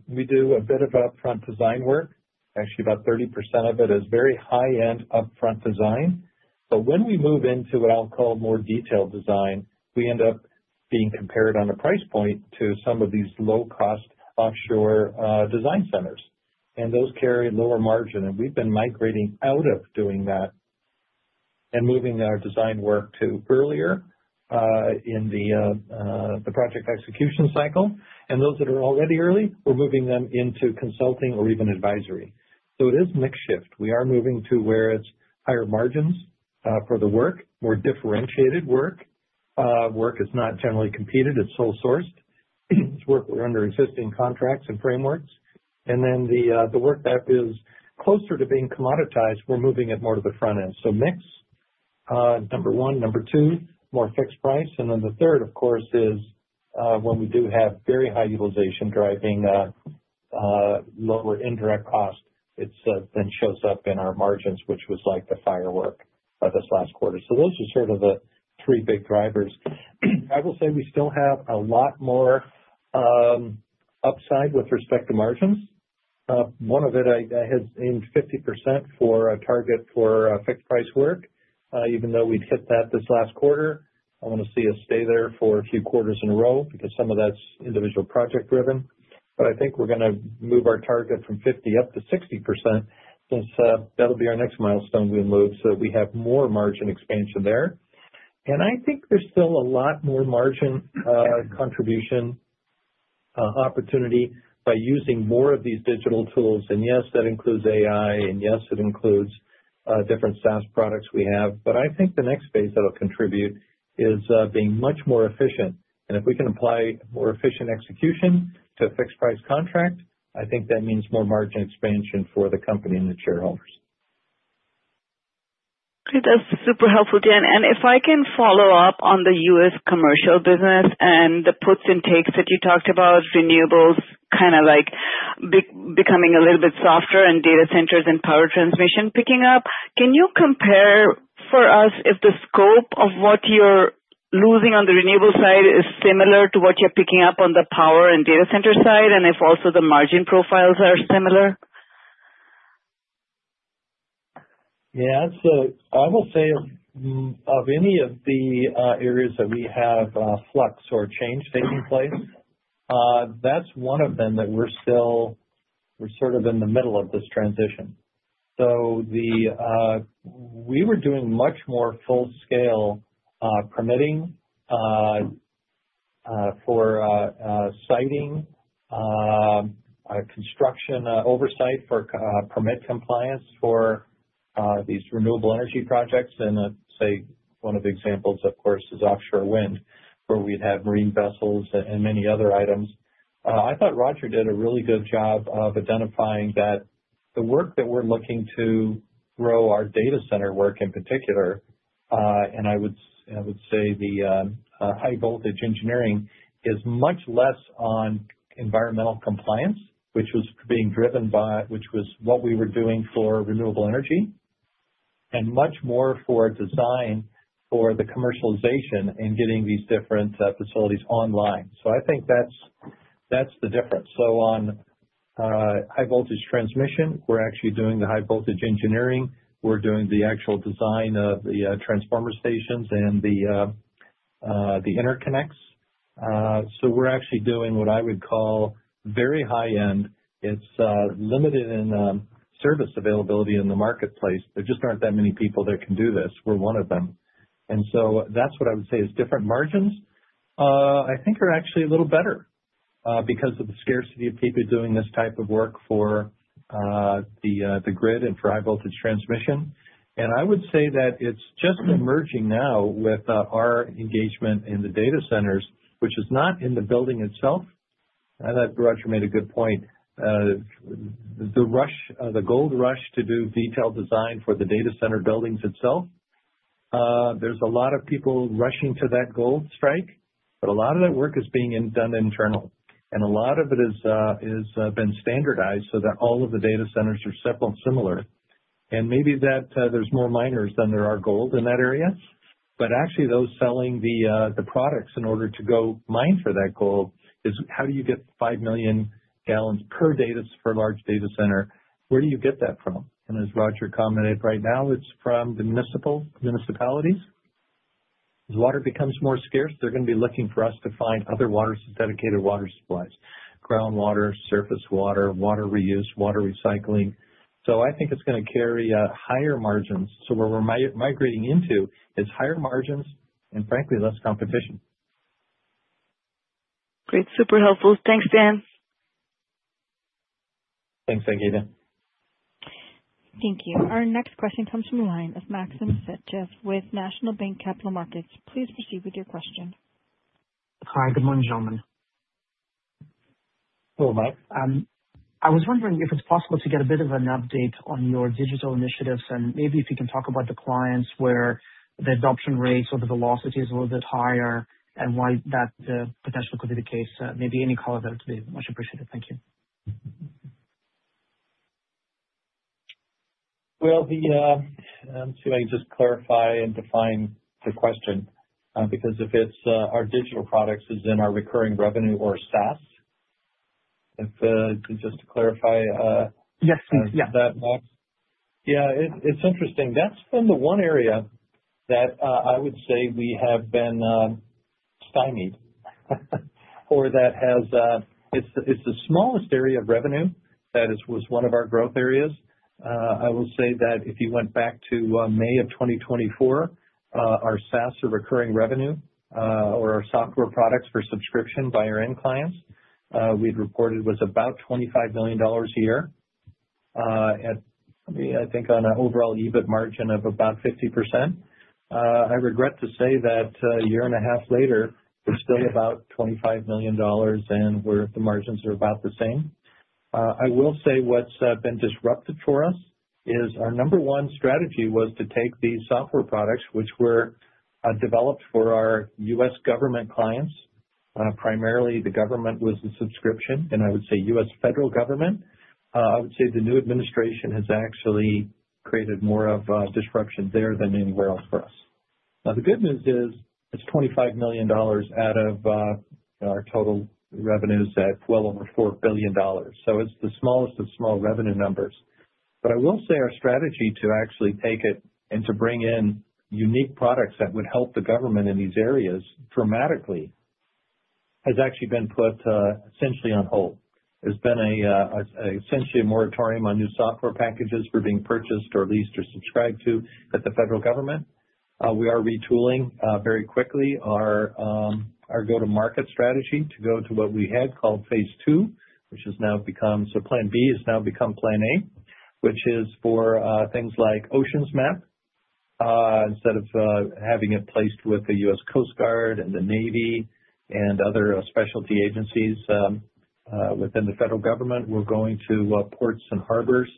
bit of upfront design work. Actually, about 30% of it is very high-end upfront design. When we move into what I'll call more detailed design, we end up being compared on a price point to some of these low-cost offshore design centers. Those carry lower margin. We've been migrating out of doing that and moving our design work to earlier in the project execution cycle. Those that are already early, we're moving them into consulting or even advisory. It is mix shift. We are moving to where it's higher margins for the work, more differentiated work. Work is not generally competed. It's sole-sourced. It's work under existing contracts and frameworks. The work that is closer to being commoditized, we're moving it more to the front end. Mix, number one. Number two, more fixed price. Then the third, of course, is when we do have very high utilization driving lower indirect cost, it then shows up in our margins, which was like the firework this last quarter. Those are sort of the three big drivers. I will say we still have a lot more upside with respect to margins. One of it has aimed 50% for a target for fixed price work. Even though we'd hit that this last quarter, I want to see us stay there for a few quarters in a row because some of that's individual project-driven. I think we're going to move our target from 50 up to 60% since that'll be our next milestone we'll move so that we have more margin expansion there. I think there's still a lot more margin contribution opportunity by using more of these digital tools. Yes, that includes AI, and yes, it includes different SaaS products we have. I think the next phase that'll contribute is being much more efficient. If we can apply more efficient execution to a fixed price contract, I think that means more margin expansion for the company and the shareholders. That's super helpful, Dan. If I can follow up on the U.S. commercial business and the puts and takes that you talked about, renewables kind of like becoming a little bit softer and data centers and power transmission picking up, can you compare for us if the scope of what you're losing on the renewable side is similar to what you're picking up on the power and data center side and if also the margin profiles are similar? Yeah. I will say of any of the areas that we have flux or change taking place, that's one of them that we're sort of in the middle of this transition. We were doing much more full-scale permitting for siting, construction oversight for permit compliance for these renewable energy projects. I'd say one of the examples, of course, is offshore wind where we'd have marine vessels and many other items. I thought Roger did a really good job of identifying that the work that we're looking to grow our data center work in particular, and I would say the high-voltage engineering is much less on environmental compliance, which was being driven by what we were doing for renewable energy, and much more for design for the commercialization and getting these different facilities online. I think that's the difference. On high-voltage transmission, we're actually doing the high-voltage engineering. We're doing the actual design of the transformer stations and the interconnects. We're actually doing what I would call very high-end. It's limited in service availability in the marketplace. There just aren't that many people that can do this. We're one of them. That's what I would say is different. Margins, I think, are actually a little better because of the scarcity of people doing this type of work for the grid and for high-voltage transmission. I would say that it's just emerging now with our engagement in the data centers, which is not in the building itself. Roger made a good point. The gold rush to do detailed design for the data center buildings itself, there's a lot of people rushing to that gold strike, but a lot of that work is being done internal. A lot of it has been standardized so that all of the data centers are similar. Maybe that there's more miners than there are gold in that area. Actually, those selling the products in order to go mine for that gold is how do you get 5 million gallons per day for a large data center? Where do you get that from? As Roger commented, right now, it's from the municipalities. As water becomes more scarce, they're going to be looking for us to find other dedicated water supplies: groundwater, surface water, water reuse, water recycling. I think it's going to carry higher margins. What we're migrating into is higher margins and, frankly, less competition. Great. Super helpful. Thanks, Dan. Thanks, Sangita. Thank you. Our next question comes from the line of Maxim Sytchev with National Bank Capital Markets. Please proceed with your question. Hi. Good morning, gentlemen. Hello, Maxim. I was wondering if it's possible to get a bit of an update on your digital initiatives and maybe if you can talk about the clients where the adoption rates or the velocity is a little bit higher and why that potentially could be the case. Maybe any color there would be much appreciated. Thank you. Let me see if I can just clarify and define the question because if it's our digital products, is it in our recurring revenue or SaaS? Just to clarify. Yes, please. Yeah. That box. Yeah. It's interesting. That's been the one area that I would say we have been stymied or that has, it's the smallest area of revenue that was one of our growth areas. I will say that if you went back to May of 2024, our SaaS or recurring revenue or our software products for subscription by our end clients, we'd reported was about $25 million a year at, I think, on an overall EBIT margin of about 50%. I regret to say that a year and a half later, it's still about $25 million, and the margins are about the same. I will say what's been disruptive for us is our number one strategy was to take these software products, which were developed for our U.S. government clients. Primarily, the government was the subscription, and I would say U.S. federal government. I would say the new administration has actually created more of a disruption there than anywhere else for us. Now, the good news is it's $25 million out of our total revenues at well over $4 billion. So it's the smallest of small revenue numbers. I will say our strategy to actually take it and to bring in unique products that would help the government in these areas dramatically has actually been put essentially on hold. There's been essentially a moratorium on new software packages for being purchased or leased or subscribed to at the federal government. We are retooling very quickly our go-to-market strategy to go to what we had called phase two, which has now become, so plan B has now become plan A, which is for things like Ocean's Map. Instead of having it placed with the U.S. Coast Guard and the Navy and other specialty agencies within the federal government, we're going to ports and harbors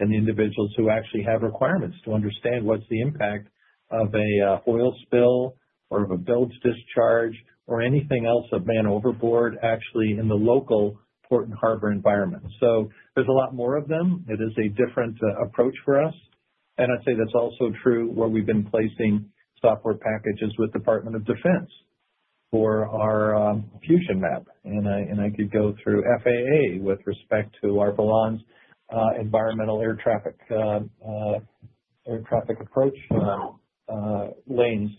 and individuals who actually have requirements to understand what's the impact of an oil spill or of a bilge discharge or anything else of man overboard actually in the local port and harbor environment. There is a lot more of them. It is a different approach for us. I'd say that's also true where we've been placing software packages with the Department of Defense for our Fusion Map. I could go through FAA with respect to our Valens environmental air traffic approach lanes.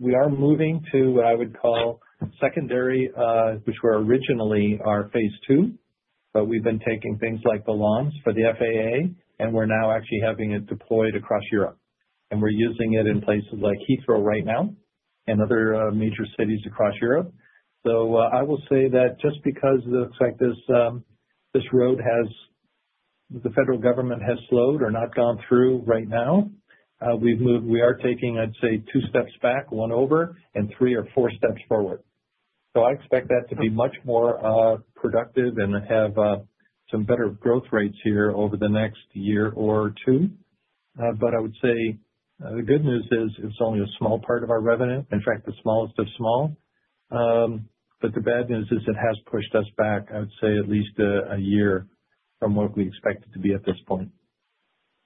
We are moving to what I would call secondary, which were originally our phase two, but we've been taking things like Valens for the FAA, and we're now actually having it deployed across Europe. We're using it in places like Heathrow right now and other major cities across Europe. I will say that just because it looks like this road the federal government has slowed or not gone through right now, we are taking, I'd say, two steps back, one over, and three or four steps forward. I expect that to be much more productive and have some better growth rates here over the next year or two. I would say the good news is it's only a small part of our revenue, in fact, the smallest of small. The bad news is it has pushed us back, I would say, at least a year from what we expected to be at this point.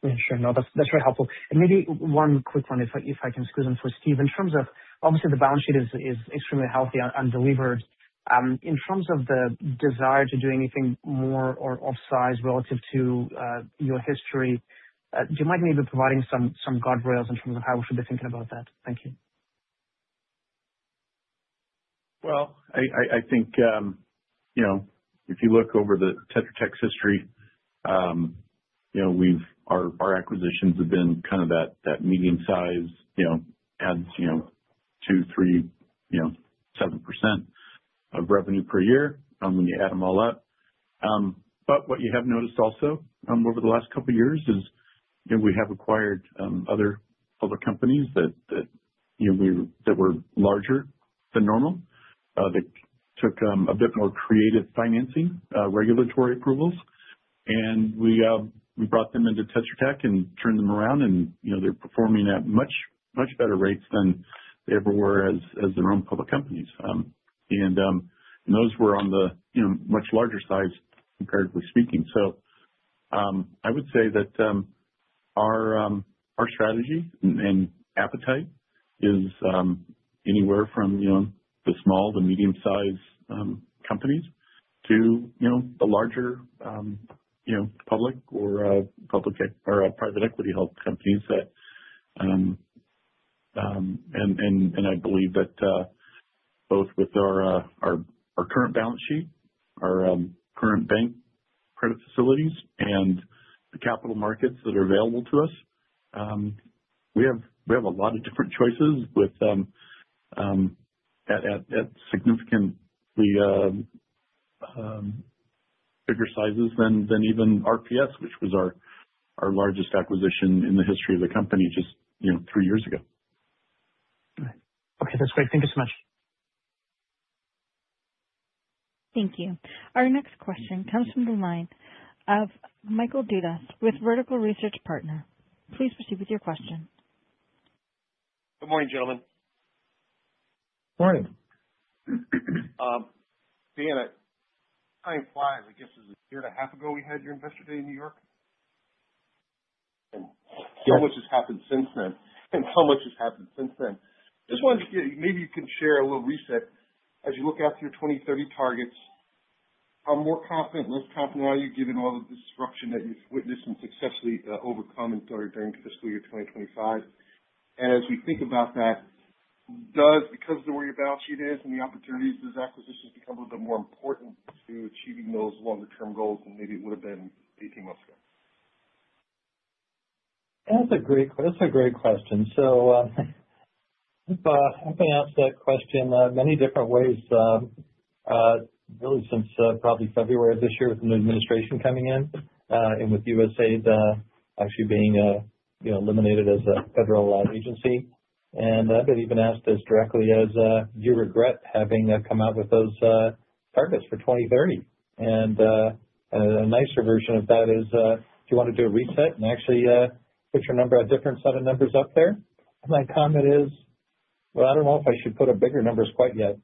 Yeah. Sure. No, that's very helpful. Maybe one quick one, if I can squeeze in for Steve. In terms of obviously, the balance sheet is extremely healthy and delivered. In terms of the desire to do anything more or off-size relative to your history, do you mind maybe providing some guardrails in terms of how we should be thinking about that? Thank you. I think if you look over Tetra Tech's history, our acquisitions have been kind of that medium-sized, adds 2%, 3%, 7% of revenue per year when you add them all up. What you have noticed also over the last couple of years is we have acquired other public companies that were larger than normal that took a bit more creative financing, regulatory approvals. We brought them into Tetra Tech and turned them around, and they're performing at much, much better rates than they ever were as their own public companies. Those were on the much larger size, comparatively speaking. I would say that our strategy and appetite is anywhere from the small to medium-sized companies to the larger public or private equity held companies. I believe that both with our current balance sheet, our current bank credit facilities, and the capital markets that are available to us, we have a lot of different choices at significantly bigger sizes than even RPS, which was our largest acquisition in the history of the company just three years ago. Okay. That's great. Thank you so much. Thank you. Our next question comes from the line of Michael Dudas with Vertical Research Partners. Please proceed with your question. Good morning, gentlemen. Morning. Dan, time flies. I guess it was a year and a half ago we had your investor day in New York. How much has happened since then? Just wanted to get maybe you can share a little reset as you look at your 2030 targets. How more confident, less confident are you given all the disruption that you've witnessed and successfully overcome during fiscal year 2025? As we think about that, does, because of where your balance sheet is and the opportunities, does acquisition become a little bit more important to achieving those longer-term goals than maybe it would have been 18 months ago? That's a great question. I've been asked that question many different ways really since probably February of this year with the new administration coming in and with USAID actually being eliminated as a federal agency. I've been even asked as directly, "Do you regret having come out with those targets for 2030?" A nicer version of that is, "Do you want to do a reset and actually put your number, a different set of numbers up there?" My comment is, "I don't know if I should put up bigger numbers quite yet."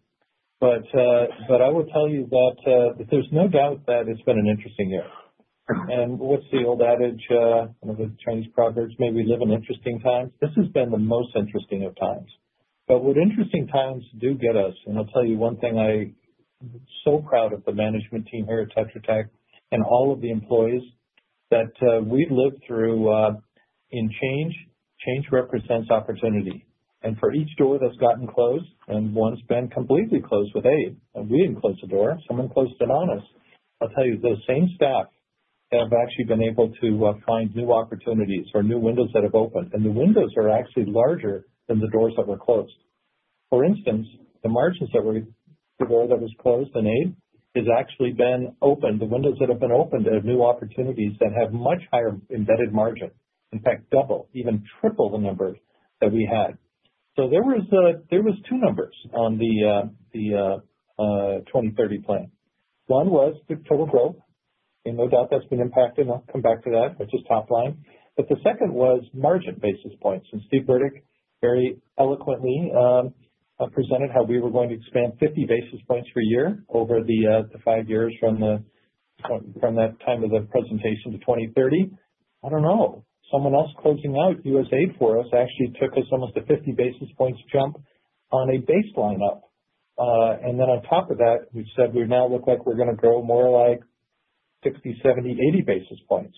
I will tell you that there's no doubt that it's been an interesting year. What's the old adage of the Chinese proverbs? "May we live in interesting times." This has been the most interesting of times. What interesting times do get us, and I'll tell you one thing, I'm so proud of the management team here at Tetra Tech and all of the employees that we've lived through in change. Change represents opportunity. For each door that's gotten closed, and one's been completely closed with aid, and we didn't close the door, someone closed it on us. I'll tell you, those same staff have actually been able to find new opportunities or new windows that have opened. The windows are actually larger than the doors that were closed. For instance, the margins that were the door that was closed in aid has actually been opened. The windows that have been opened have new opportunities that have much higher embedded margin, in fact, double, even triple the numbers that we had. There were two numbers on the 2030 plan. One was the total growth. No doubt that's been impacted. I'll come back to that, which is top line. The second was margin basis points. Steve Burdick very eloquently presented how we were going to expand 50 basis points per year over the five years from that time of the presentation to 2030. I don't know. Someone else closing out USAID for us actually took us almost a 50 basis points jump on a baseline up. On top of that, we said we now look like we're going to grow more like 60-70-80 basis points.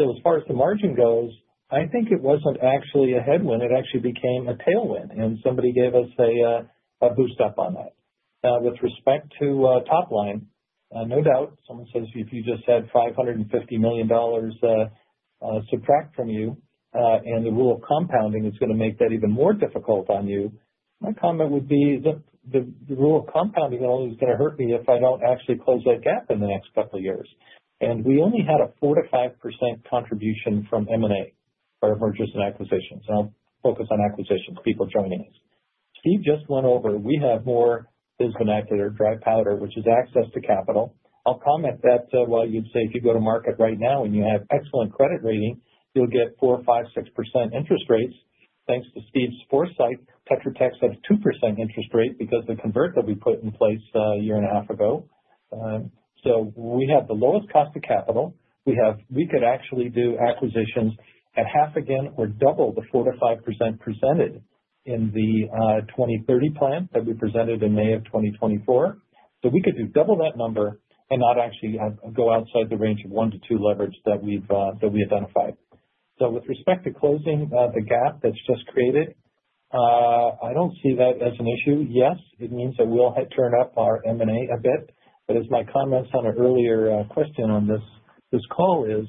As far as the margin goes, I think it wasn't actually a headwind. It actually became a tailwind. Somebody gave us a boost up on that. Now, with respect to top line, no doubt, someone says if you just had $550 million subtract from you and the rule of compounding is going to make that even more difficult on you, my comment would be the rule of compounding only is going to hurt me if I don't actually close that gap in the next couple of years. And we only had a 4%-5% contribution from M&A or mergers and acquisitions. And I'll focus on acquisitions, people joining us. Steve just went over. We have more, his vernacular, dry powder, which is access to capital. I'll comment that while you'd say if you go to market right now and you have excellent credit rating, you'll get 4%-5%-6% interest rates. Thanks to Steve's foresight, Tetra Tech's had a 2% interest rate because of the convert that we put in place a year and a half ago. We have the lowest cost of capital. We could actually do acquisitions at half again or double the 4-5% presented in the 2030 plan that we presented in May of 2024. We could double that number and not actually go outside the range of one to two leverage that we identified. With respect to closing the gap that's just created, I don't see that as an issue. Yes, it means that we'll turn up our M&A a bit. As my comments on an earlier question on this call is,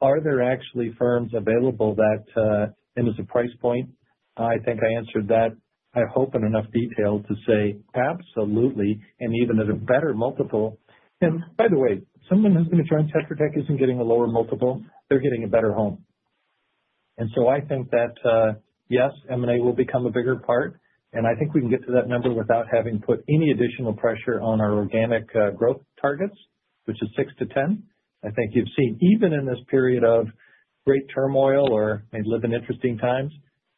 are there actually firms available that and is the price point? I think I answered that, I hope, in enough detail to say absolutely and even at a better multiple. By the way, someone who's going to join Tetra Tech isn't getting a lower multiple. They're getting a better home. I think that, yes, M&A will become a bigger part. I think we can get to that number without having put any additional pressure on our organic growth targets, which is 6-10. I think you've seen even in this period of great turmoil or may live in interesting times,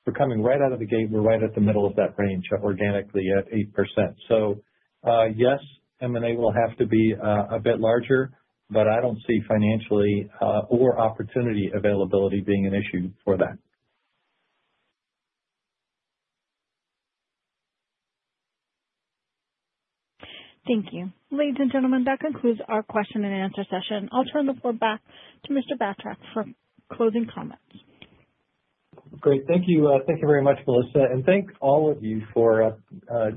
we're coming right out of the gate. We're right at the middle of that range organically at 8%. Yes, M&A will have to be a bit larger, but I don't see financially or opportunity availability being an issue for that. Thank you. Ladies and gentlemen, that concludes our question and answer session. I'll turn the floor back to Mr. Batrack for closing comments. Great. Thank you. Thank you very much, Melissa. Thank all of you for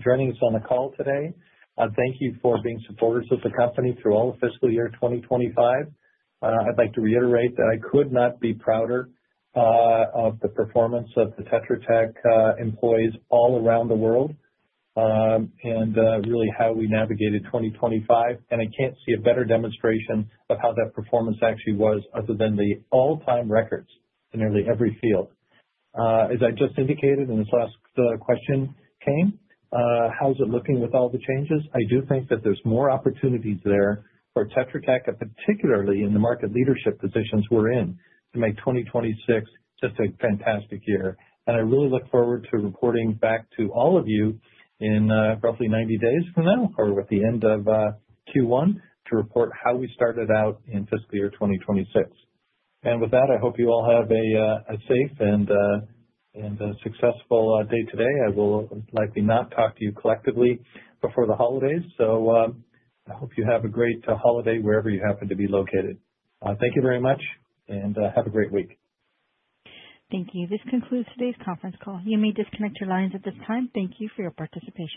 joining us on the call today. Thank you for being supporters of the company through all of fiscal year 2025. I'd like to reiterate that I could not be prouder of the performance of the Tetra Tech employees all around the world and really how we navigated 2025. I can't see a better demonstration of how that performance actually was other than the all-time records in nearly every field. As I just indicated in this last question came, how's it looking with all the changes? I do think that there's more opportunities there for Tetra Tech, particularly in the market leadership positions we're in, to make 2026 just a fantastic year. I really look forward to reporting back to all of you in roughly 90 days from now or at the end of Q1 to report how we started out in fiscal year 2026. With that, I hope you all have a safe and successful day today. I will likely not talk to you collectively before the holidays. I hope you have a great holiday wherever you happen to be located. Thank you very much, and have a great week. Thank you. This concludes today's conference call. You may disconnect your lines at this time. Thank you for your participation.